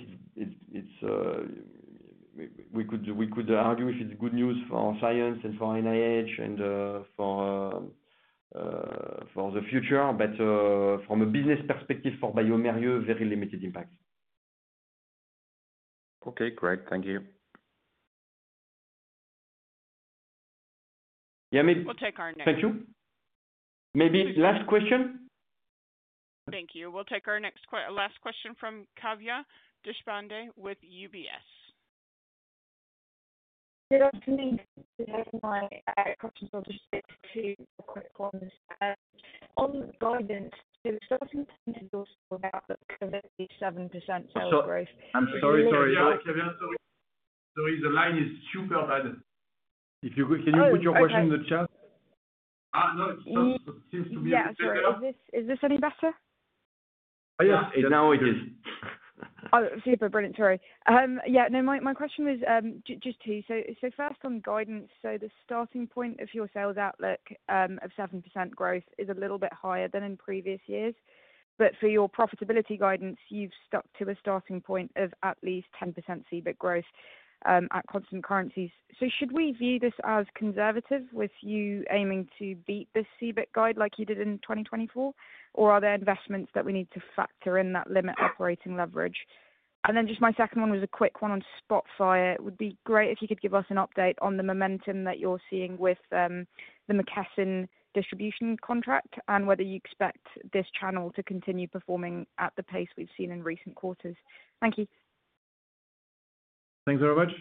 we could argue if it is good news for science and for NIH and for the future. From a business perspective for bioMérieux, very limited impact. Okay. Great. Thank you. Maybe we will take our next, thank you. Maybe last question? Thank you. We will take our last question from Kavya Deshpande with UBS. Good afternoon. My questions are just to quickly understand. On guidance, so 17% is also about the 7% sales growth. I am sorry. Sorry. Sorry. Sorry. Sorry. The line is super bad. Can you put your question in the chat? No, it seems to be okay. Yeah. Is this any better? Yes. Now it is. Oh, super. Brilliant. Sorry. Yeah. No, my question was just two. First, on guidance, the starting point of your sales outlook of 7% growth is a little bit higher than in previous years. For your profitability guidance, you've stuck to a starting point of at least 10% CBIT growth at constant currencies. Should we view this as conservative with you aiming to beat the CBIT guide like you did in 2024? Or are there investments that we need to factor in that limit operating leverage? My second one was a quick one on Spotfire. It would be great if you could give us an update on the momentum that you're seeing with the McKesson distribution contract and whether you expect this channel to continue performing at the pace we've seen in recent quarters. Thank you. Thanks very much.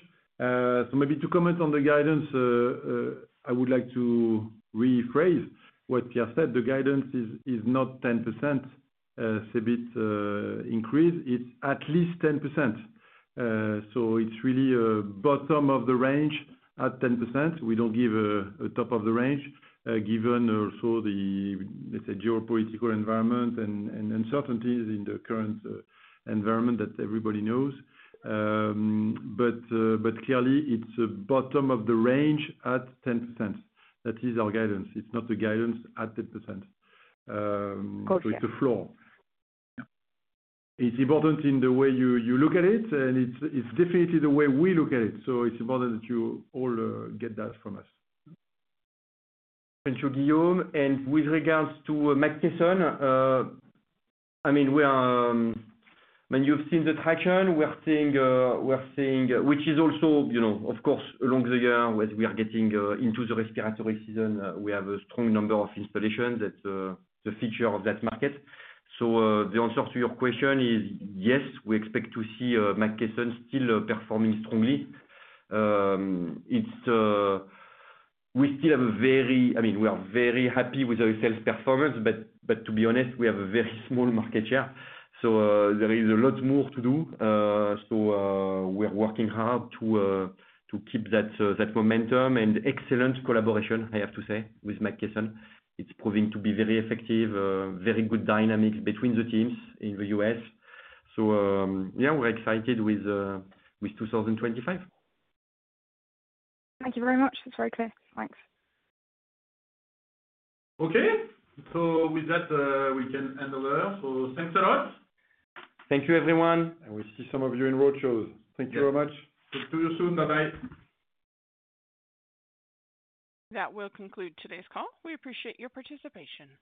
Maybe to comment on the guidance, I would like to rephrase what Pierre said. The guidance is not 10% CEBIT increase. It's at least 10%. It's really bottom of the range at 10%. We do not give a top of the range given also the, let's say, geopolitical environment and uncertainties in the current environment that everybody knows. Clearly, it's bottom of the range at 10%. That is our guidance. It's not the guidance at 10%. It's a floor. It's important in the way you look at it, and it's definitely the way we look at it.It's important that you all get that from us. Thank you, Guillaume. With regards to McKesson, when you've seen the traction we're seeing, which is also, of course, along the year as we are getting into the respiratory season, we have a strong number of installations. That's the feature of that market. The answer to your question is yes, we expect to see McKesson still performing strongly. We still have a very, I mean, we are very happy with our sales performance, but to be honest, we have a very small market share. There is a lot more to do. We're working hard to keep that momentum and excellent collaboration, I have to say, with McKesson. It's proving to be very effective, very good dynamics between the teams in the US. Yeah, we're excited with 2025. Thank you very much. That's very clear. Thanks. Okay. With that, we can end over. Thanks a lot. Thank you, everyone. We see some of you in roadshows. Thank you very much. Talk to you soon. Bye-bye. That will conclude today's call. We appreciate your participation.